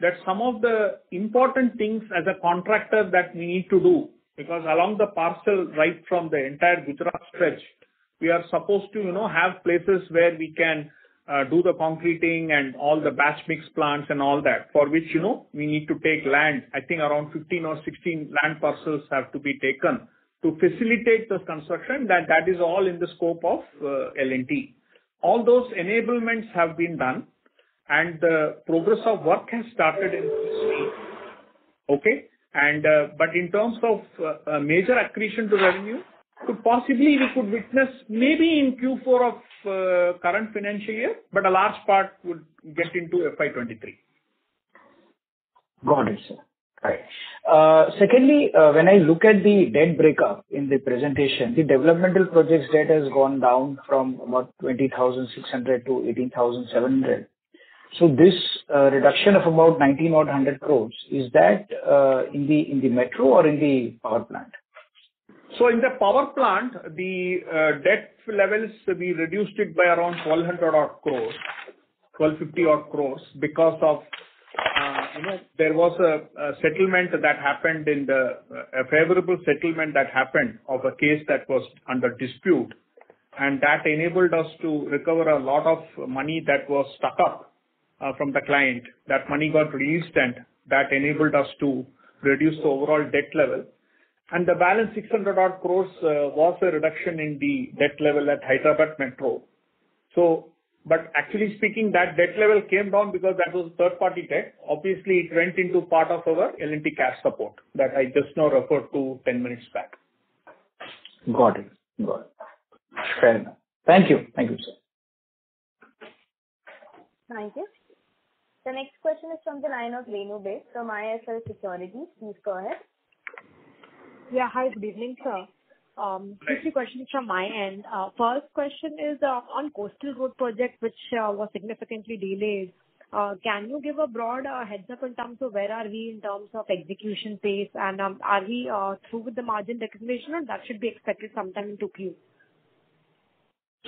that some of the important things as a contractor that we need to do, because along the parcel right from the entire Gujarat stretch, we are supposed to have places where we can do the concreting and all the batch mix plants and all that. For which we need to take land. I think around 15 or 16 land parcels have to be taken to facilitate the construction, that is all in the scope of L&T. All those enablements have been done, and the progress of work has started in full swing. Okay. In terms of major accretion to revenue, could possibly we could witness maybe in Q4 of current financial year, but a large part would get into FY 2023. Got it, sir. Right. When I look at the debt breakup in the presentation, the developmental projects debt has gone down from about 20,600-18,700. This reduction of about 9,100 crores, is that in the metro or in the power plant? In the power plant, the debt levels, we reduced it by around 1,200 odd crores, 1,250 odd crores, because of a favorable settlement that happened of a case that was under dispute. That enabled us to recover a lot of money that was stuck up from the client. That money got released, and that enabled us to reduce the overall debt level. The balance 600 odd crores was a reduction in the debt level at Hyderabad Metro. Actually speaking, that debt level came down because that was third-party debt. Obviously, it went into part of our L&T cash support that I just now referred to 10 minutes back. Got it. Fair enough. Thank you, sir. Thank you. The next question is from the line of Renu Baid from IIFL Securities. Please go ahead. Yeah. Hi, good evening, sir. Right. Two, three questions from my end. First question is on Coastal Road projects which were significantly delayed. Can you give a broad heads-up in terms of where are we in terms of execution phase? Are we through with the margin recognition, or that should be expected sometime in 2Q?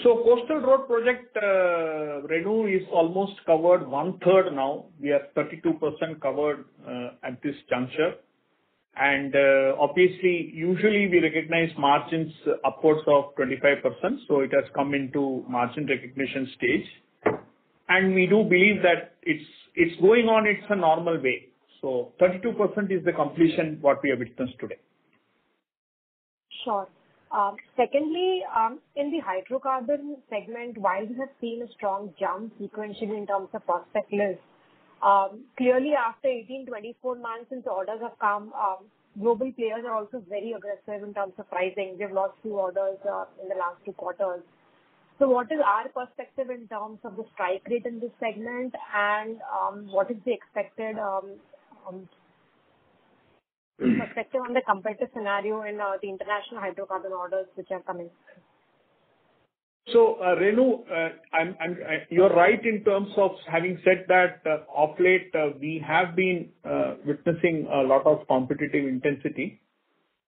Coastal Road project, Renu, is almost covered one third now. We are 32% covered at this juncture. Obviously, usually we recognize margins upwards of 25%. It has come into margin recognition stage. We do believe that it's going on its normal way. 32% is the completion what we have witnessed today. Sure. In the hydrocarbon segment, while we have seen a strong jump sequentially in terms of perspective, clearly after 18, 24 months since orders have come, global players are also very aggressive in terms of pricing. We have lost two orders in the last two quarters. What is our perspective in terms of the strike rate in this segment and what is the expected perspective on the competitive scenario in the international hydrocarbon orders which are coming? Renu, you're right in terms of having said that of late, we have been witnessing a lot of competitive intensity.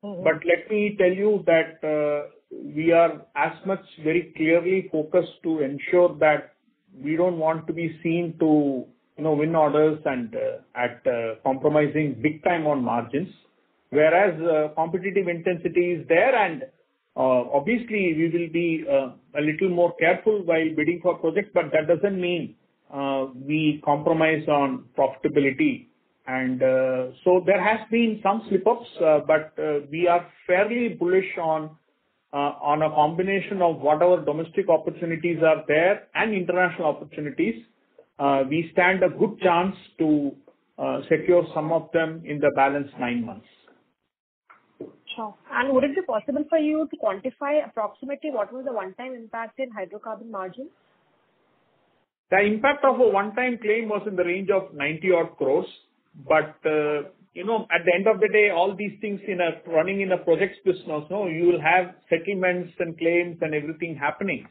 Let me tell you that we are as much very clearly focused to ensure that we don't want to be seen to win orders and at compromising big time on margins. Competitive intensity is there and obviously we will be a little more careful while bidding for projects, but that doesn't mean we compromise on profitability. There has been some slip-ups, but we are fairly bullish on a combination of what our domestic opportunities are there and international opportunities. We stand a good chance to secure some of them in the balance nine months. Sure. Would it be possible for you to quantify approximately what was the one-time impact in hydrocarbon margin? The impact of a one-time claim was in the range of 90 odd crores. At the end of the day, all these things running in a project business, you will have settlements and claims and everything happening.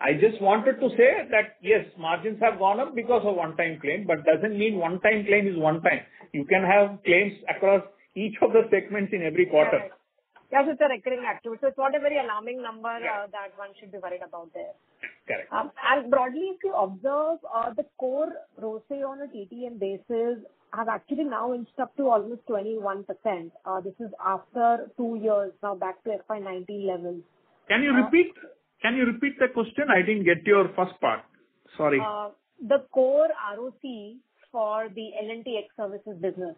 I just wanted to say that, yes, margins have gone up because of one-time claim, but doesn't mean one-time claim is one time. You can have claims across each of the segments in every quarter. Yes, it's a recurring activity, so it's not a very alarming number that one should be worried about there. Correct. Broadly, if you observe the core ROCE on a TTM basis has actually now inched up to almost 21%. This is after two years now back to FY 2019 levels. Can you repeat the question? I didn't get your first part. Sorry. The core ROCE for the L&T Technology Services business.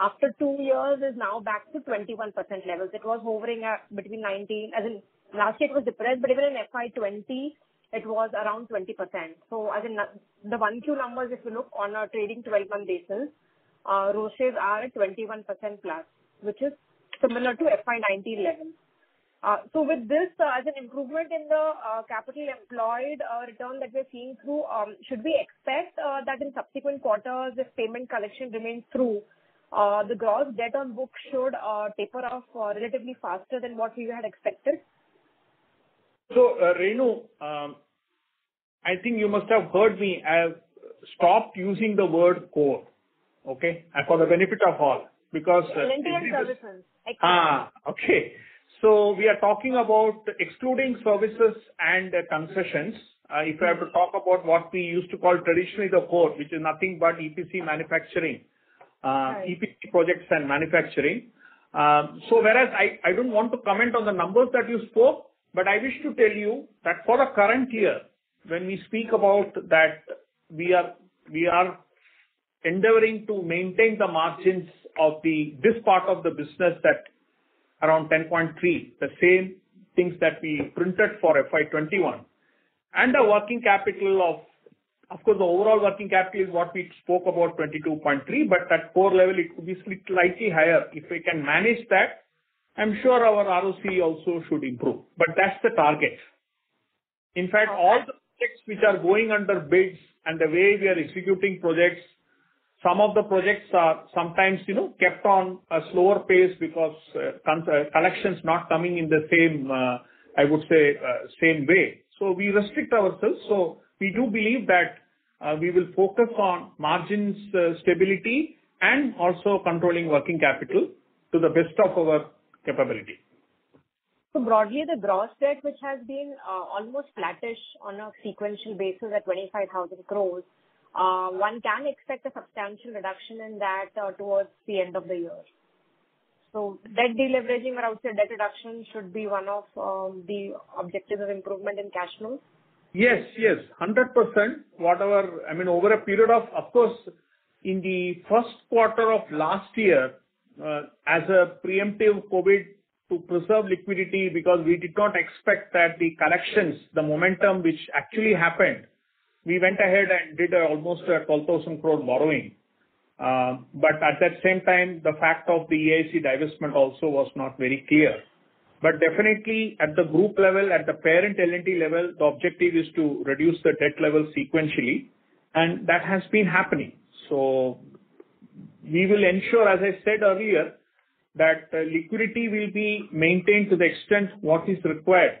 After two years is now back to 21% levels. It was hovering between 19%. As in, last year it was depressed, but even in FY 2020, it was around 20%. As in the 1Q numbers, if you look on a trailing 12-month basis, ROCEs are at 21%+, which is similar to FY 2019 levels. With this as an improvement in the capital employed return that we're seeing through, should we expect that in subsequent quarters, if payment collection remains true, the gross debt on books should taper off relatively faster than what we had expected? Renu, I think you must have heard me. I've stopped using the word core, okay? L&T Ex Services. Okay. We are talking about excluding services and concessions. If I have to talk about what we used to call traditionally the core, which is nothing but EPC manufacturing. Right. EPC projects and manufacturing. Whereas I don't want to comment on the numbers that you spoke, but I wish to tell you that for the current year, when we speak about that we are endeavoring to maintain the margins of this part of the business at around 10.3%, the same things that we printed for FY 2021. The working capital of course, the overall working capital is what we spoke about, 22.3%, but at core level, it could be slightly higher. If we can manage that, I'm sure our ROC also should improve. That's the target. In fact, all the projects which are going under bids and the way we are executing projects, some of the projects are sometimes kept on a slower pace because collections not coming in the same way. We restrict ourselves. We do believe that we will focus on margins stability and also controlling working capital to the best of our capability. Broadly, the gross debt, which has been almost flattish on a sequential basis at 25,000 crore, one can expect a substantial reduction in that towards the end of the year. Debt deleveraging or I would say debt reduction should be one of the objectives of improvement in cash flows? Yes. 100%. Of course, in the first quarter of last year, as a preemptive COVID to preserve liquidity, because we did not expect that the collections, the momentum which actually happened, we went ahead and did almost 12,000 crore borrowing. At that same time, the fact of the E&A divestment also was not very clear. Definitely at the group level, at the parent L&T level, the objective is to reduce the debt level sequentially, and that has been happening. We will ensure, as I said earlier, that liquidity will be maintained to the extent what is required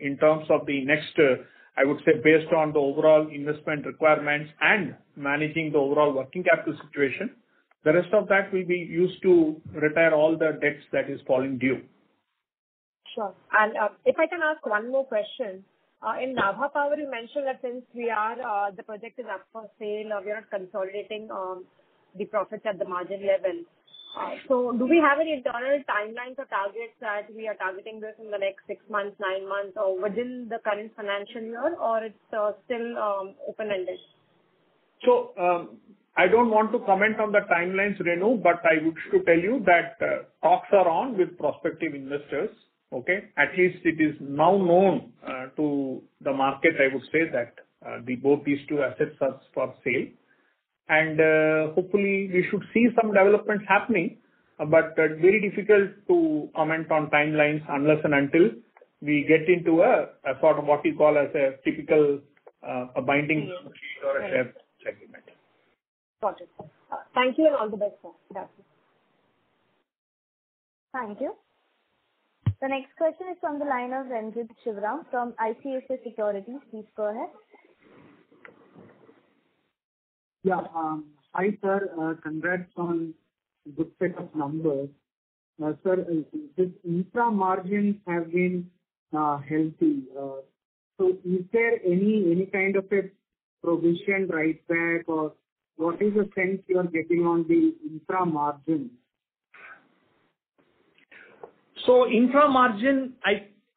in terms of the next, I would say based on the overall investment requirements and managing the overall working capital situation. The rest of that will be used to repay all the debts that is falling due. Sure. If I can ask one more question. In Nabha Power you mentioned that since the project is up for sale, we are consolidating the profits at the margin level. Do we have any internal timelines or targets that we are targeting this in the next six months, nine months, or within the current financial year, or it is still open-ended? I don't want to comment on the timelines, Renu, but I would tell you that talks are on with prospective investors. Okay? At least it is now known to the market, I would say that both these two assets are for sale. Hopefully we should see some developments happening. Very difficult to comment on timelines unless and until we get into a sort of what you call as a typical binding agreement or settlement. Got it. Thank you and all the best, sir. Good afternoon. Thank you. The next question is on the line of Renjith Sivaram from ICICI Securities. Please go ahead. Yeah. Hi, sir. Congrats on good set of numbers. Sir, this infra margins have been healthy. Is there any kind of a provision write-back? What is the sense you are getting on the infra margin? Infra margin,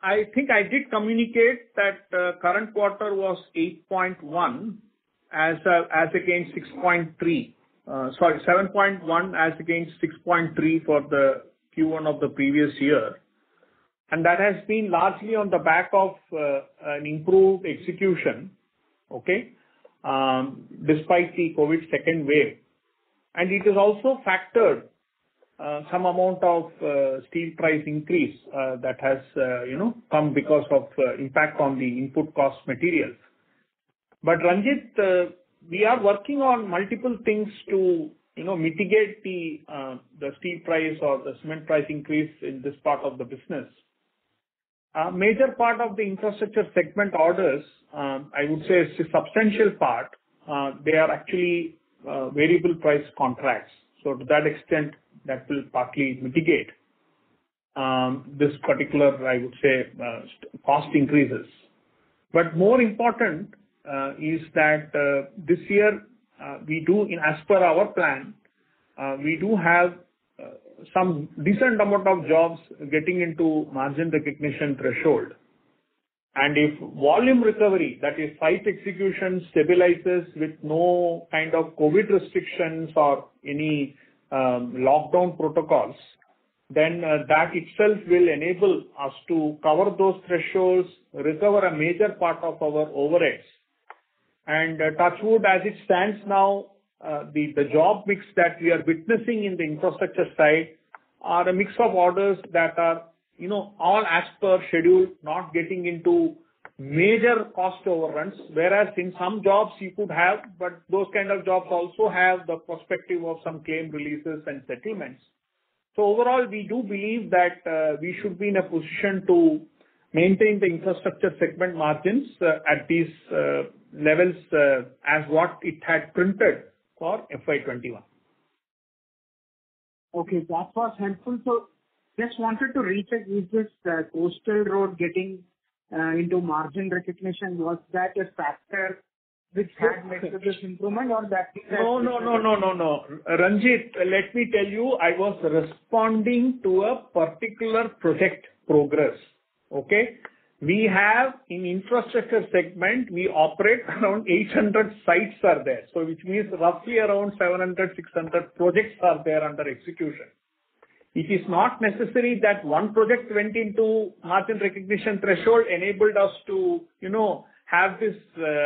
I think I did communicate that current quarter was 8.1% as against 6.3%. Sorry, 7.1% against 6.3% for the Q1 of the previous year. That has been largely on the back of an improved execution. Despite the COVID second wave. It has also factored some amount of steel price increase that has come because of impact on the input cost materials. Renjith, we are working on multiple things to mitigate the steel price or the cement price increase in this part of the business. Major part of the infrastructure segment orders, I would say a substantial part, they are actually variable price contracts. To that extent, that will partly mitigate this particular, I would say, cost increases. More important is that this year, as per our plan, we do have some decent amount of jobs getting into margin recognition threshold. If volume recovery, that is site execution stabilizes with no kind of COVID restrictions or any lockdown protocols, then that itself will enable us to cover those thresholds, recover a major part of our overheads. Touch wood, as it stands now, the job mix that we are witnessing in the infrastructure side are a mix of orders that are all as per schedule, not getting into major cost overruns. Whereas in some jobs you could have, but those kind of jobs also have the prospective of some claim releases and settlements. Overall, we do believe that we should be in a position to maintain the infrastructure segment margins at these levels as what it had printed for FY 2021. Okay. That was helpful. Just wanted to recheck with this Coastal Road getting into margin recognition. Was that a factor which had led to this improvement? Renjith, let me tell you, I was responding to a particular project progress. Okay. In infrastructure segment, we operate around 800 sites are there. Which means roughly around 700-600 projects are there under execution. It is not necessary that one project went into margin recognition threshold enabled us to have this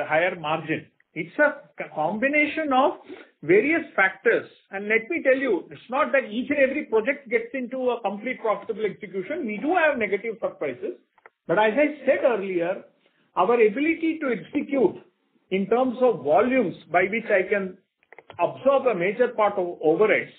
higher margin. It's a combination of various factors. Let me tell you, it's not that each and every project gets into a complete profitable execution. We do have negative surprises. As I said earlier, our ability to execute in terms of volumes by which I can absorb a major part of overheads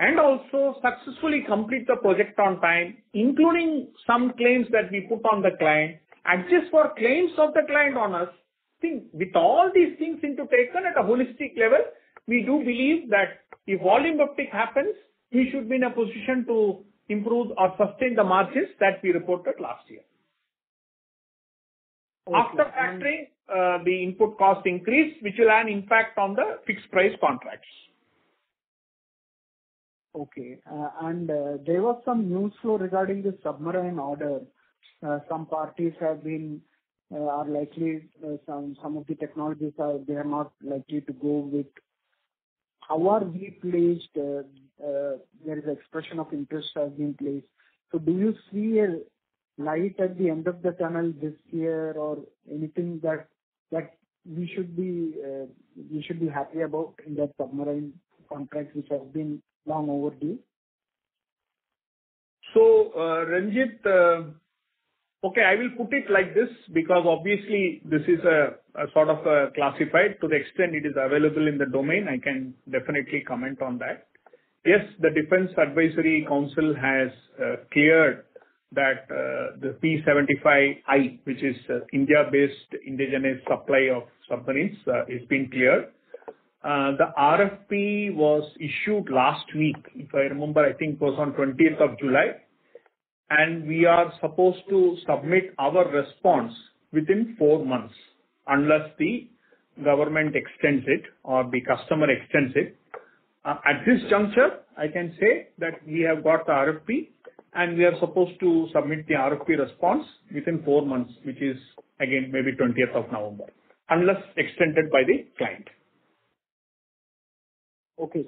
and also successfully complete the project on time, including some claims that we put on the client, adjust for claims of the client on us. I think with all these things into taken at a holistic level, we do believe that if volume uptick happens, we should be in a position to improve or sustain the margins that we reported last year. After factoring the input cost increase, which will have an impact on the fixed price contracts. Okay. There was some news flow regarding the submarine order. Some parties are likely, some of the technologies they are most likely to go with. How are we placed? There is expression of interest has been placed. Do you see a light at the end of the tunnel this year or anything that we should be happy about in the submarine contracts which have been long overdue? Renjith, okay, I will put it like this because obviously this is sort of classified. To the extent it is available in the domain, I can definitely comment on that. Yes, the Defence Acquisition Council has cleared that the P75I, which is India-based indigenous supply of submarines, it's been cleared. The RFP was issued last week, if I remember, I think it was on 20th of July. We are supposed to submit our response within four months unless the government extends it or the customer extends it. At this juncture, I can say that we have got the RFP. We are supposed to submit the RFP response within four months, which is again maybe 20th of November, unless extended by the client. Okay.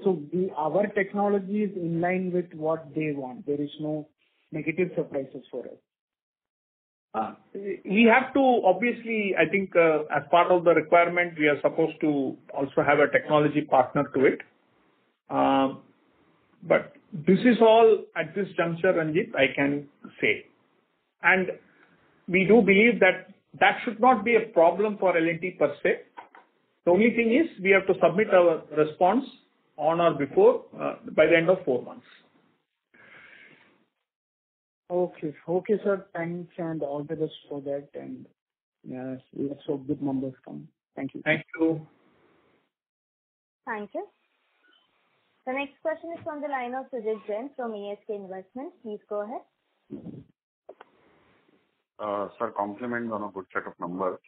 Our technology is in line with what they want. There is no negative surprises for us. We have to, obviously, I think, as part of the requirement, we are supposed to also have a technology partner to it. This is all at this juncture, Renjith, I can say. We do believe that that should not be a problem for L&T per se. The only thing is we have to submit our response on or before by the end of four months. Okay. Okay, sir. All the best for that, let's hope good numbers come. Thank you. Thank you. Thank you. The next question is on the line of Sujit Jain from ASK Investment. Please go ahead. Sir, compliment on a good set of numbers.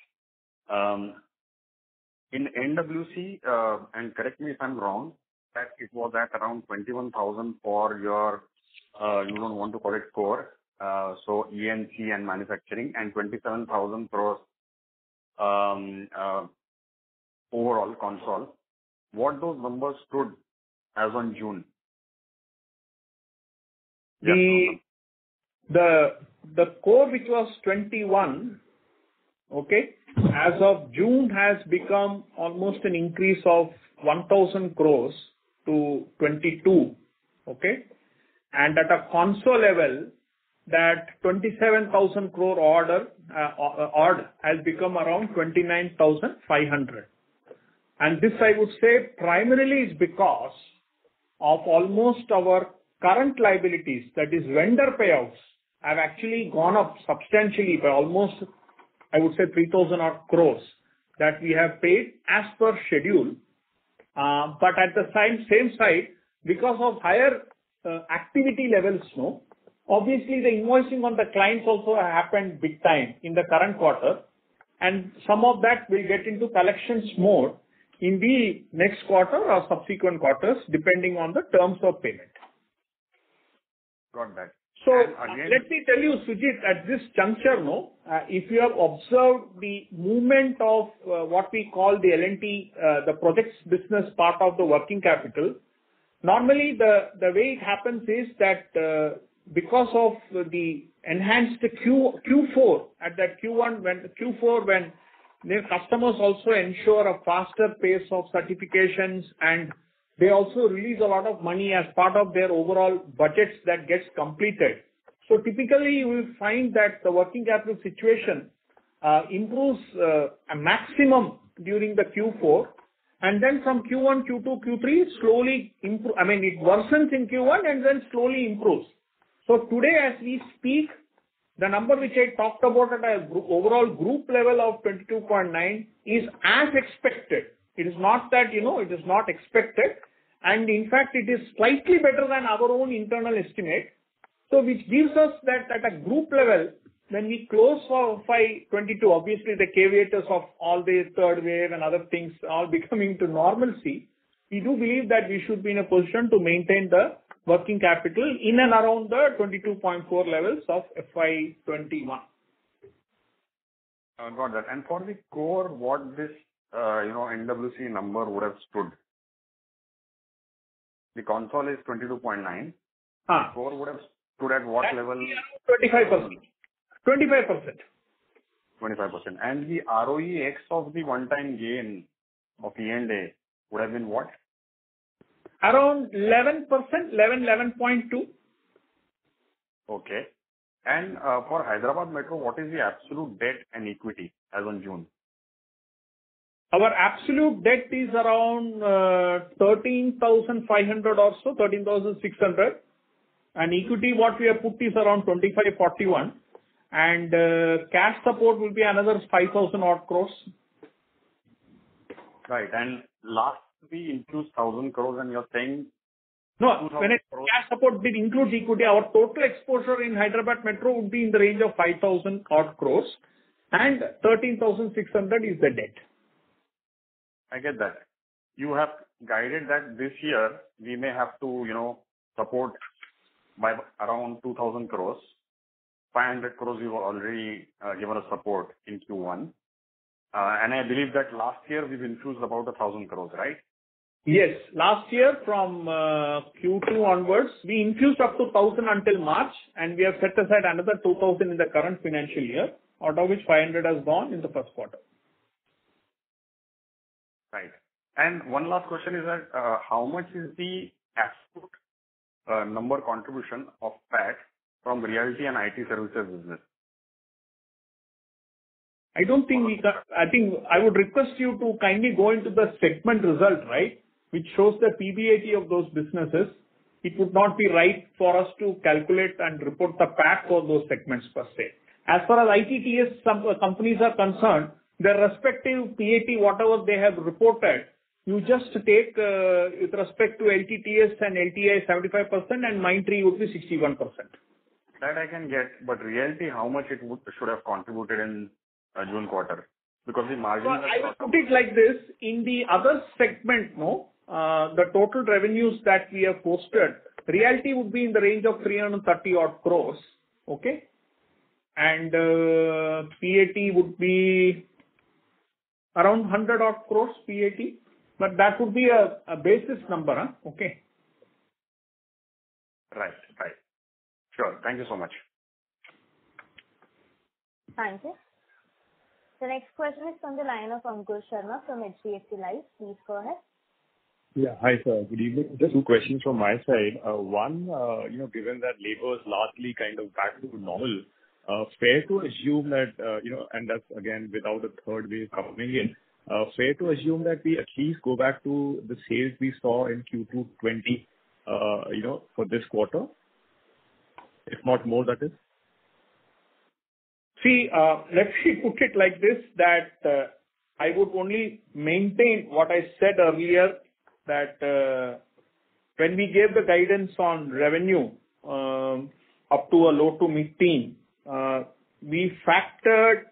In NWC, and correct me if I'm wrong, that it was at around 21,000 for your, you don't want to call it core, so E&C and manufacturing, and 27,000 crore overall consolidated. What those numbers stood as on June? The core, which was 21, okay, as of June has become almost an increase of 1,000 crores to 22. Okay. At a consol level, that 27,000 crore order has become around 29,500 crore. This, I would say, primarily is because of almost our current liabilities, that is vendor payouts, have actually gone up substantially by almost, I would say, 3,000 odd crores that we have paid as per schedule. At the same side, because of higher activity levels, obviously the invoicing on the clients also happened big time in the current quarter, and some of that will get into collections more in the next quarter or subsequent quarters, depending on the terms of payment. Got that. Let me tell you, Sujit, at this juncture, if you have observed the movement of what we call the L&T, the projects business part of the working capital. Normally, the way it happens is that because of the enhanced Q4 at that Q1, when the customers also ensure a faster pace of certifications, and they also release a lot of money as part of their overall budgets that gets completed. Typically, you will find that the working capital situation improves a maximum during the Q4, and then from Q1, Q2, Q3, slowly improve. I mean, it worsens in Q1 and then slowly improves. Today, as we speak, the number which I talked about at overall group level of 22.9 is as expected. It is not that it is not expected. In fact, it is slightly better than our own internal estimate. Which gives us that at a group level, when we close FY 2022, obviously the caveats of all the third wave and other things are becoming to normalcy, we do believe that we should be in a position to maintain the working capital in and around the 22.4 levels of FY 2021. I've got that. For the core, what this NWC number would have stood? The consol is 22.9. Core would have stood at what level? 25%. 25%. The ROE of the one-time gain of E&A would have been what? Around 11%, 11.2%. Okay. For Hyderabad Metro, what is the absolute debt and equity as on June? Our absolute debt is around 13,500 or so, 13,600. Equity, what we have put is around 2,541, and cash support will be another 5,000 odd crores. Right. last we infused 1,000 crores, and you're saying- No. When cash support did include equity, our total exposure in Hyderabad Metro would be in the range of 5,000 odd crores, and 13,600 is the debt. I get that. You have guided that this year, we may have to support by around 2,000 crores. 500 crores you've already given a support in Q1. I believe that last year we've infused about 1,000 crores, right? Yes. Last year from Q2 onwards, we infused up to 1,000 until March, and we have set aside another 2,000 in the current financial year, out of which 500 has gone in the first quarter. Right. One last question is that, how much is the absolute number contribution of PAT from realty and IT services business? I would request you to kindly go into the segment result, which shows the PBIT of those businesses. It would not be right for us to calculate and report the PAT for those segments per se. As far as ITTS companies are concerned, their respective PAT, whatever they have reported, you just take with respect to LTTS and LTI 75% and Mindtree would be 61%. That I can get. Realty, how much it should have contributed in June quarter? The margin was not. I would put it like this. In the other segment, the total revenues that we have posted, realty would be in the range of 330 odd crores. Okay. PAT would be around 100 odd crores, PAT. That would be a basis number. Okay. Right. Sure. Thank you so much. Thank you. The next question is on the line of Ankur Sharma from HDFC Life. Please go ahead. Yeah. Hi, sir. Good evening. Just two questions from my side. One, given that labor is largely kind of back to normal, fair to assume that, and that's again without a third wave coming in, fair to assume that we at least go back to the sales we saw in Q2 FY 2020 for this quarter? If not more, that is. See, let me put it like this, that I would only maintain what I said earlier, that when we gave the guidance on revenue, up to a low to mid-teen, we factored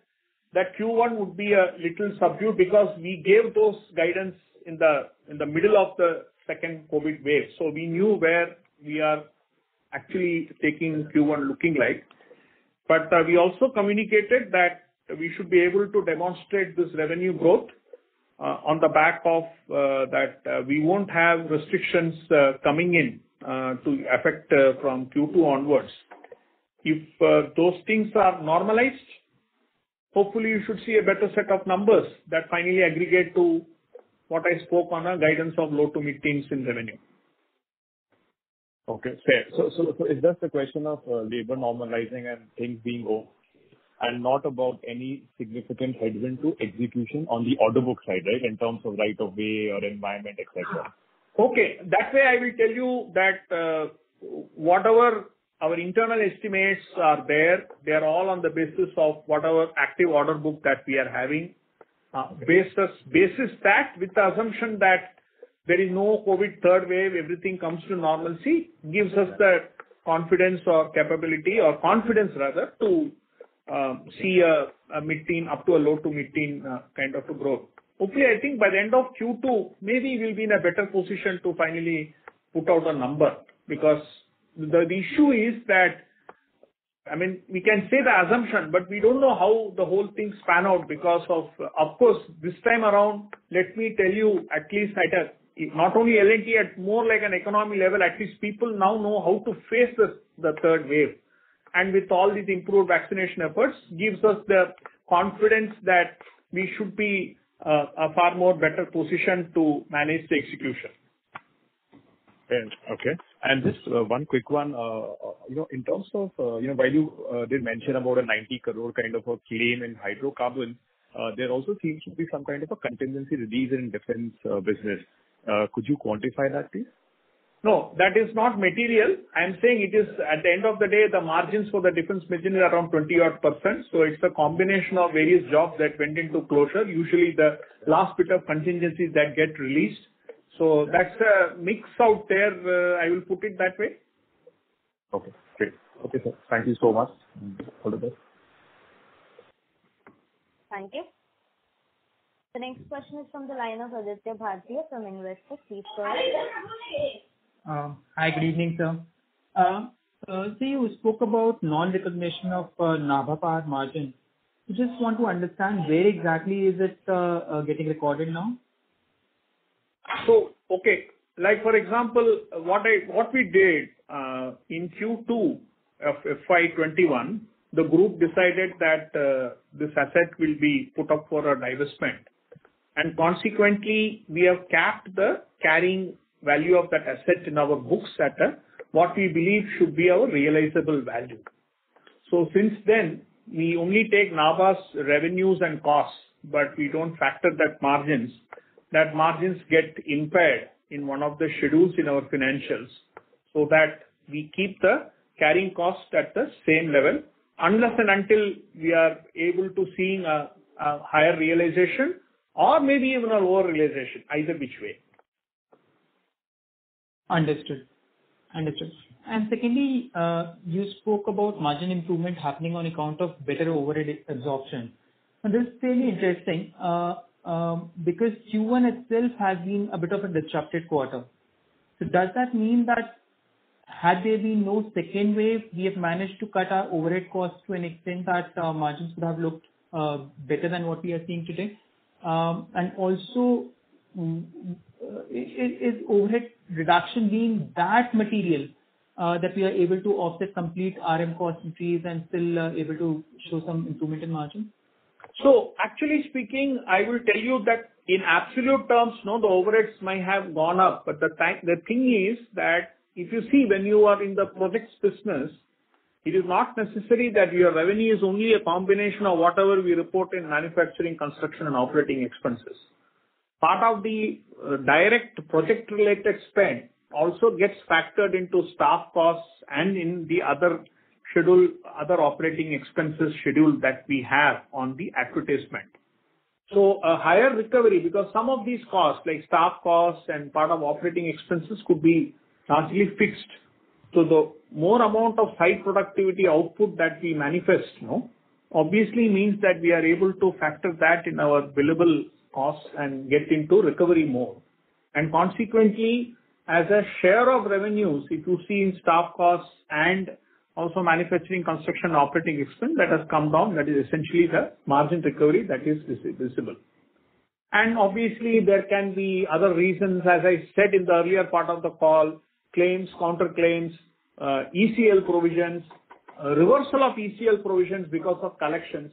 that Q1 would be a little subdued because we gave those guidance in the middle of the second COVID wave. We knew where we are actually taking Q1 looking like. We also communicated that we should be able to demonstrate this revenue growth on the back of that we won't have restrictions coming in to affect from Q2 onwards. If those things are normalized, hopefully you should see a better set of numbers that finally aggregate to what I spoke on, guidance of low to mid-teens in revenue. Okay, fair. It's just a question of labor normalizing and things being over, and not about any significant heads into execution on the order book side, right? In terms of right of way or environment, et cetera. Okay. That way, I will tell you that whatever our internal estimates are there, they are all on the basis of whatever active order book that we are having. Basis that, with the assumption that there is no COVID third wave, everything comes to normalcy, gives us the confidence or capability, or confidence rather, to see a mid-teen up to a low to mid-teen kind of a growth. Hopefully, I think by the end of Q2, maybe we will be in a better position to finally put out a number. The issue is that, we can say the assumption, but we don't know how the whole thing span out because of course, this time around, let me tell you, at least not only L&T, at more like an economy level, at least people now know how to face the third wave. With all these improved vaccination efforts, gives us the confidence that we should be a far more better position to manage the execution. Fair. Okay. Just one quick one. While you did mention about a 90 crore kind of a claim in hydrocarbon, there also seems to be some kind of a contingency release in defense business. Could you quantify that, please? No, that is not material. I'm saying it is at the end of the day, the margins for the defense mission is around 20% odd. It's a combination of various jobs that went into closure. Usually, the last bit of contingencies that get released. That's a mix out there, I will put it that way. Okay, great. Okay, sir. Thank you so much. All the best. Thank you. The next question is from the line of Aditya Bhartia from Investec. Please go ahead. Hi, good evening, sir. Sir, you spoke about non-recognition of Nabha Power margin. Just want to understand where exactly is it getting recorded now? Okay. Like for example, what we did, in Q2 of FY 2021, the group decided that this asset will be put up for a divestment. Consequently, we have capped the carrying value of that asset in our books at what we believe should be our realizable value. Since then, we only take Nabha's revenues and costs, but we don't factor those margins. Those margins get impaired in one of the schedules in our financials, so that we keep the carrying costs at the same level unless and until we are able to seeing a higher realization or maybe even a lower realization, either which way. Understood. Secondly, you spoke about margin improvement happening on account of better overhead absorption. This is fairly interesting because Q1 itself has been a bit of a disrupted quarter. Does that mean that had there been no second wave, we have managed to cut our overhead costs to an extent that our margins would have looked better than what we are seeing today? Also, is overhead reduction being that material that we are able to offset complete RM cost increase and still able to show some improvement in margin? Actually speaking, I will tell you that in absolute terms, no, the overheads might have gone up. The thing is that if you see when you are in the projects business, it is not necessary that your revenue is only a combination of whatever we report in manufacturing, construction, and operating expenses. Part of the direct project-related spend also gets factored into staff costs and in the other operating expenses schedule that we have on the advertisement. A higher recovery, because some of these costs, like staff costs and part of operating expenses could be largely fixed. The more amount of high productivity output that we manifest, obviously means that we are able to factor that in our billable costs and get into recovery more. Consequently, as a share of revenues, if you see in staff costs and also manufacturing, construction, operating expense, that has come down, that is essentially the margin recovery that is visible. Obviously, there can be other reasons, as I said in the earlier part of the call, claims, counterclaims, ECL provisions, reversal of ECL provisions because of collections.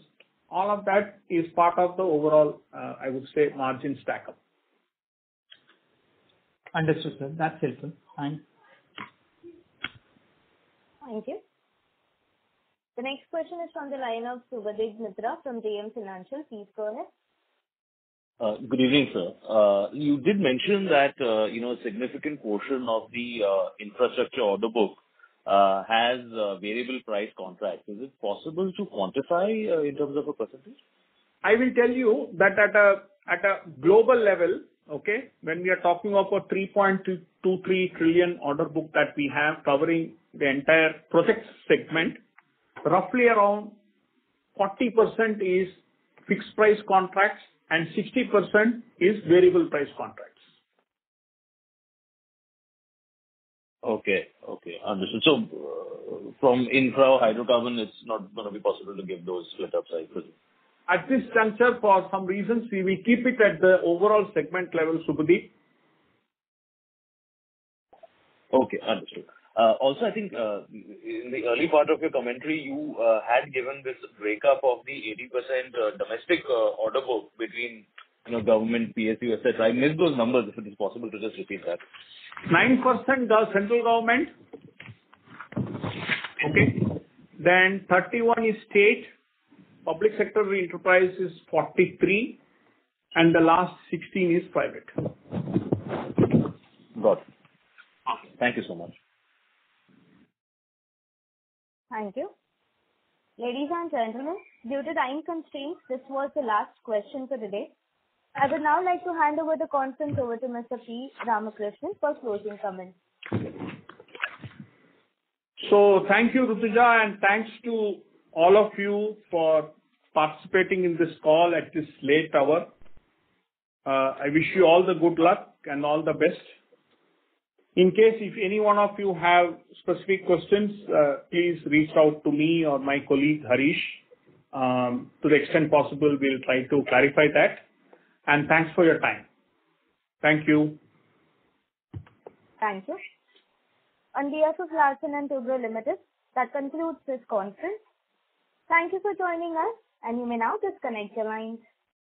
All of that is part of the overall, I would say, margin stack-up. Understood, sir. That's helpful. Thanks. Thank you. The next question is from the line of Subhadip Mitra from JM Financial. Please go ahead. Good evening, sir. You did mention that a significant portion of the infrastructure order book has variable price contracts. Is it possible to quantify in terms of a percentage? I will tell you that at a global level, okay, when we are talking of a 3.23 trillion order book that we have covering the entire project segment, roughly around 40% is fixed price contracts and 60% is variable price contracts. Okay. Understood. From infra hydrocarbon, it's not going to be possible to give those split ups, I presume? At this juncture, for some reasons, we will keep it at the overall segment level, Subhadip. Okay, understood. I think in the early part of your commentary, you had given this break-up of the 80% domestic order book between government PSU, et cetera. I missed those numbers, if it is possible to just repeat that. 9% the central government. Okay? 31% is state. Public sector enterprise is 43%, and the last 16% is private. Got it. Okay. Thank you so much. Thank you. Ladies and gentlemen, due to time constraints, this was the last question for today. I would now like to hand over the conference over to Mr. P. Ramakrishnan for closing comments. Thank you, Rutuja, and thanks to all of you for participating in this call at this late hour. I wish you all the good luck and all the best. In case if any one of you have specific questions, please reach out to me or my colleague, Harish. To the extent possible, we'll try to clarify that. Thanks for your time. Thank you. Thank you. On behalf of Larsen & Toubro Limited, that concludes this conference. Thank you for joining us, and you may now disconnect your lines.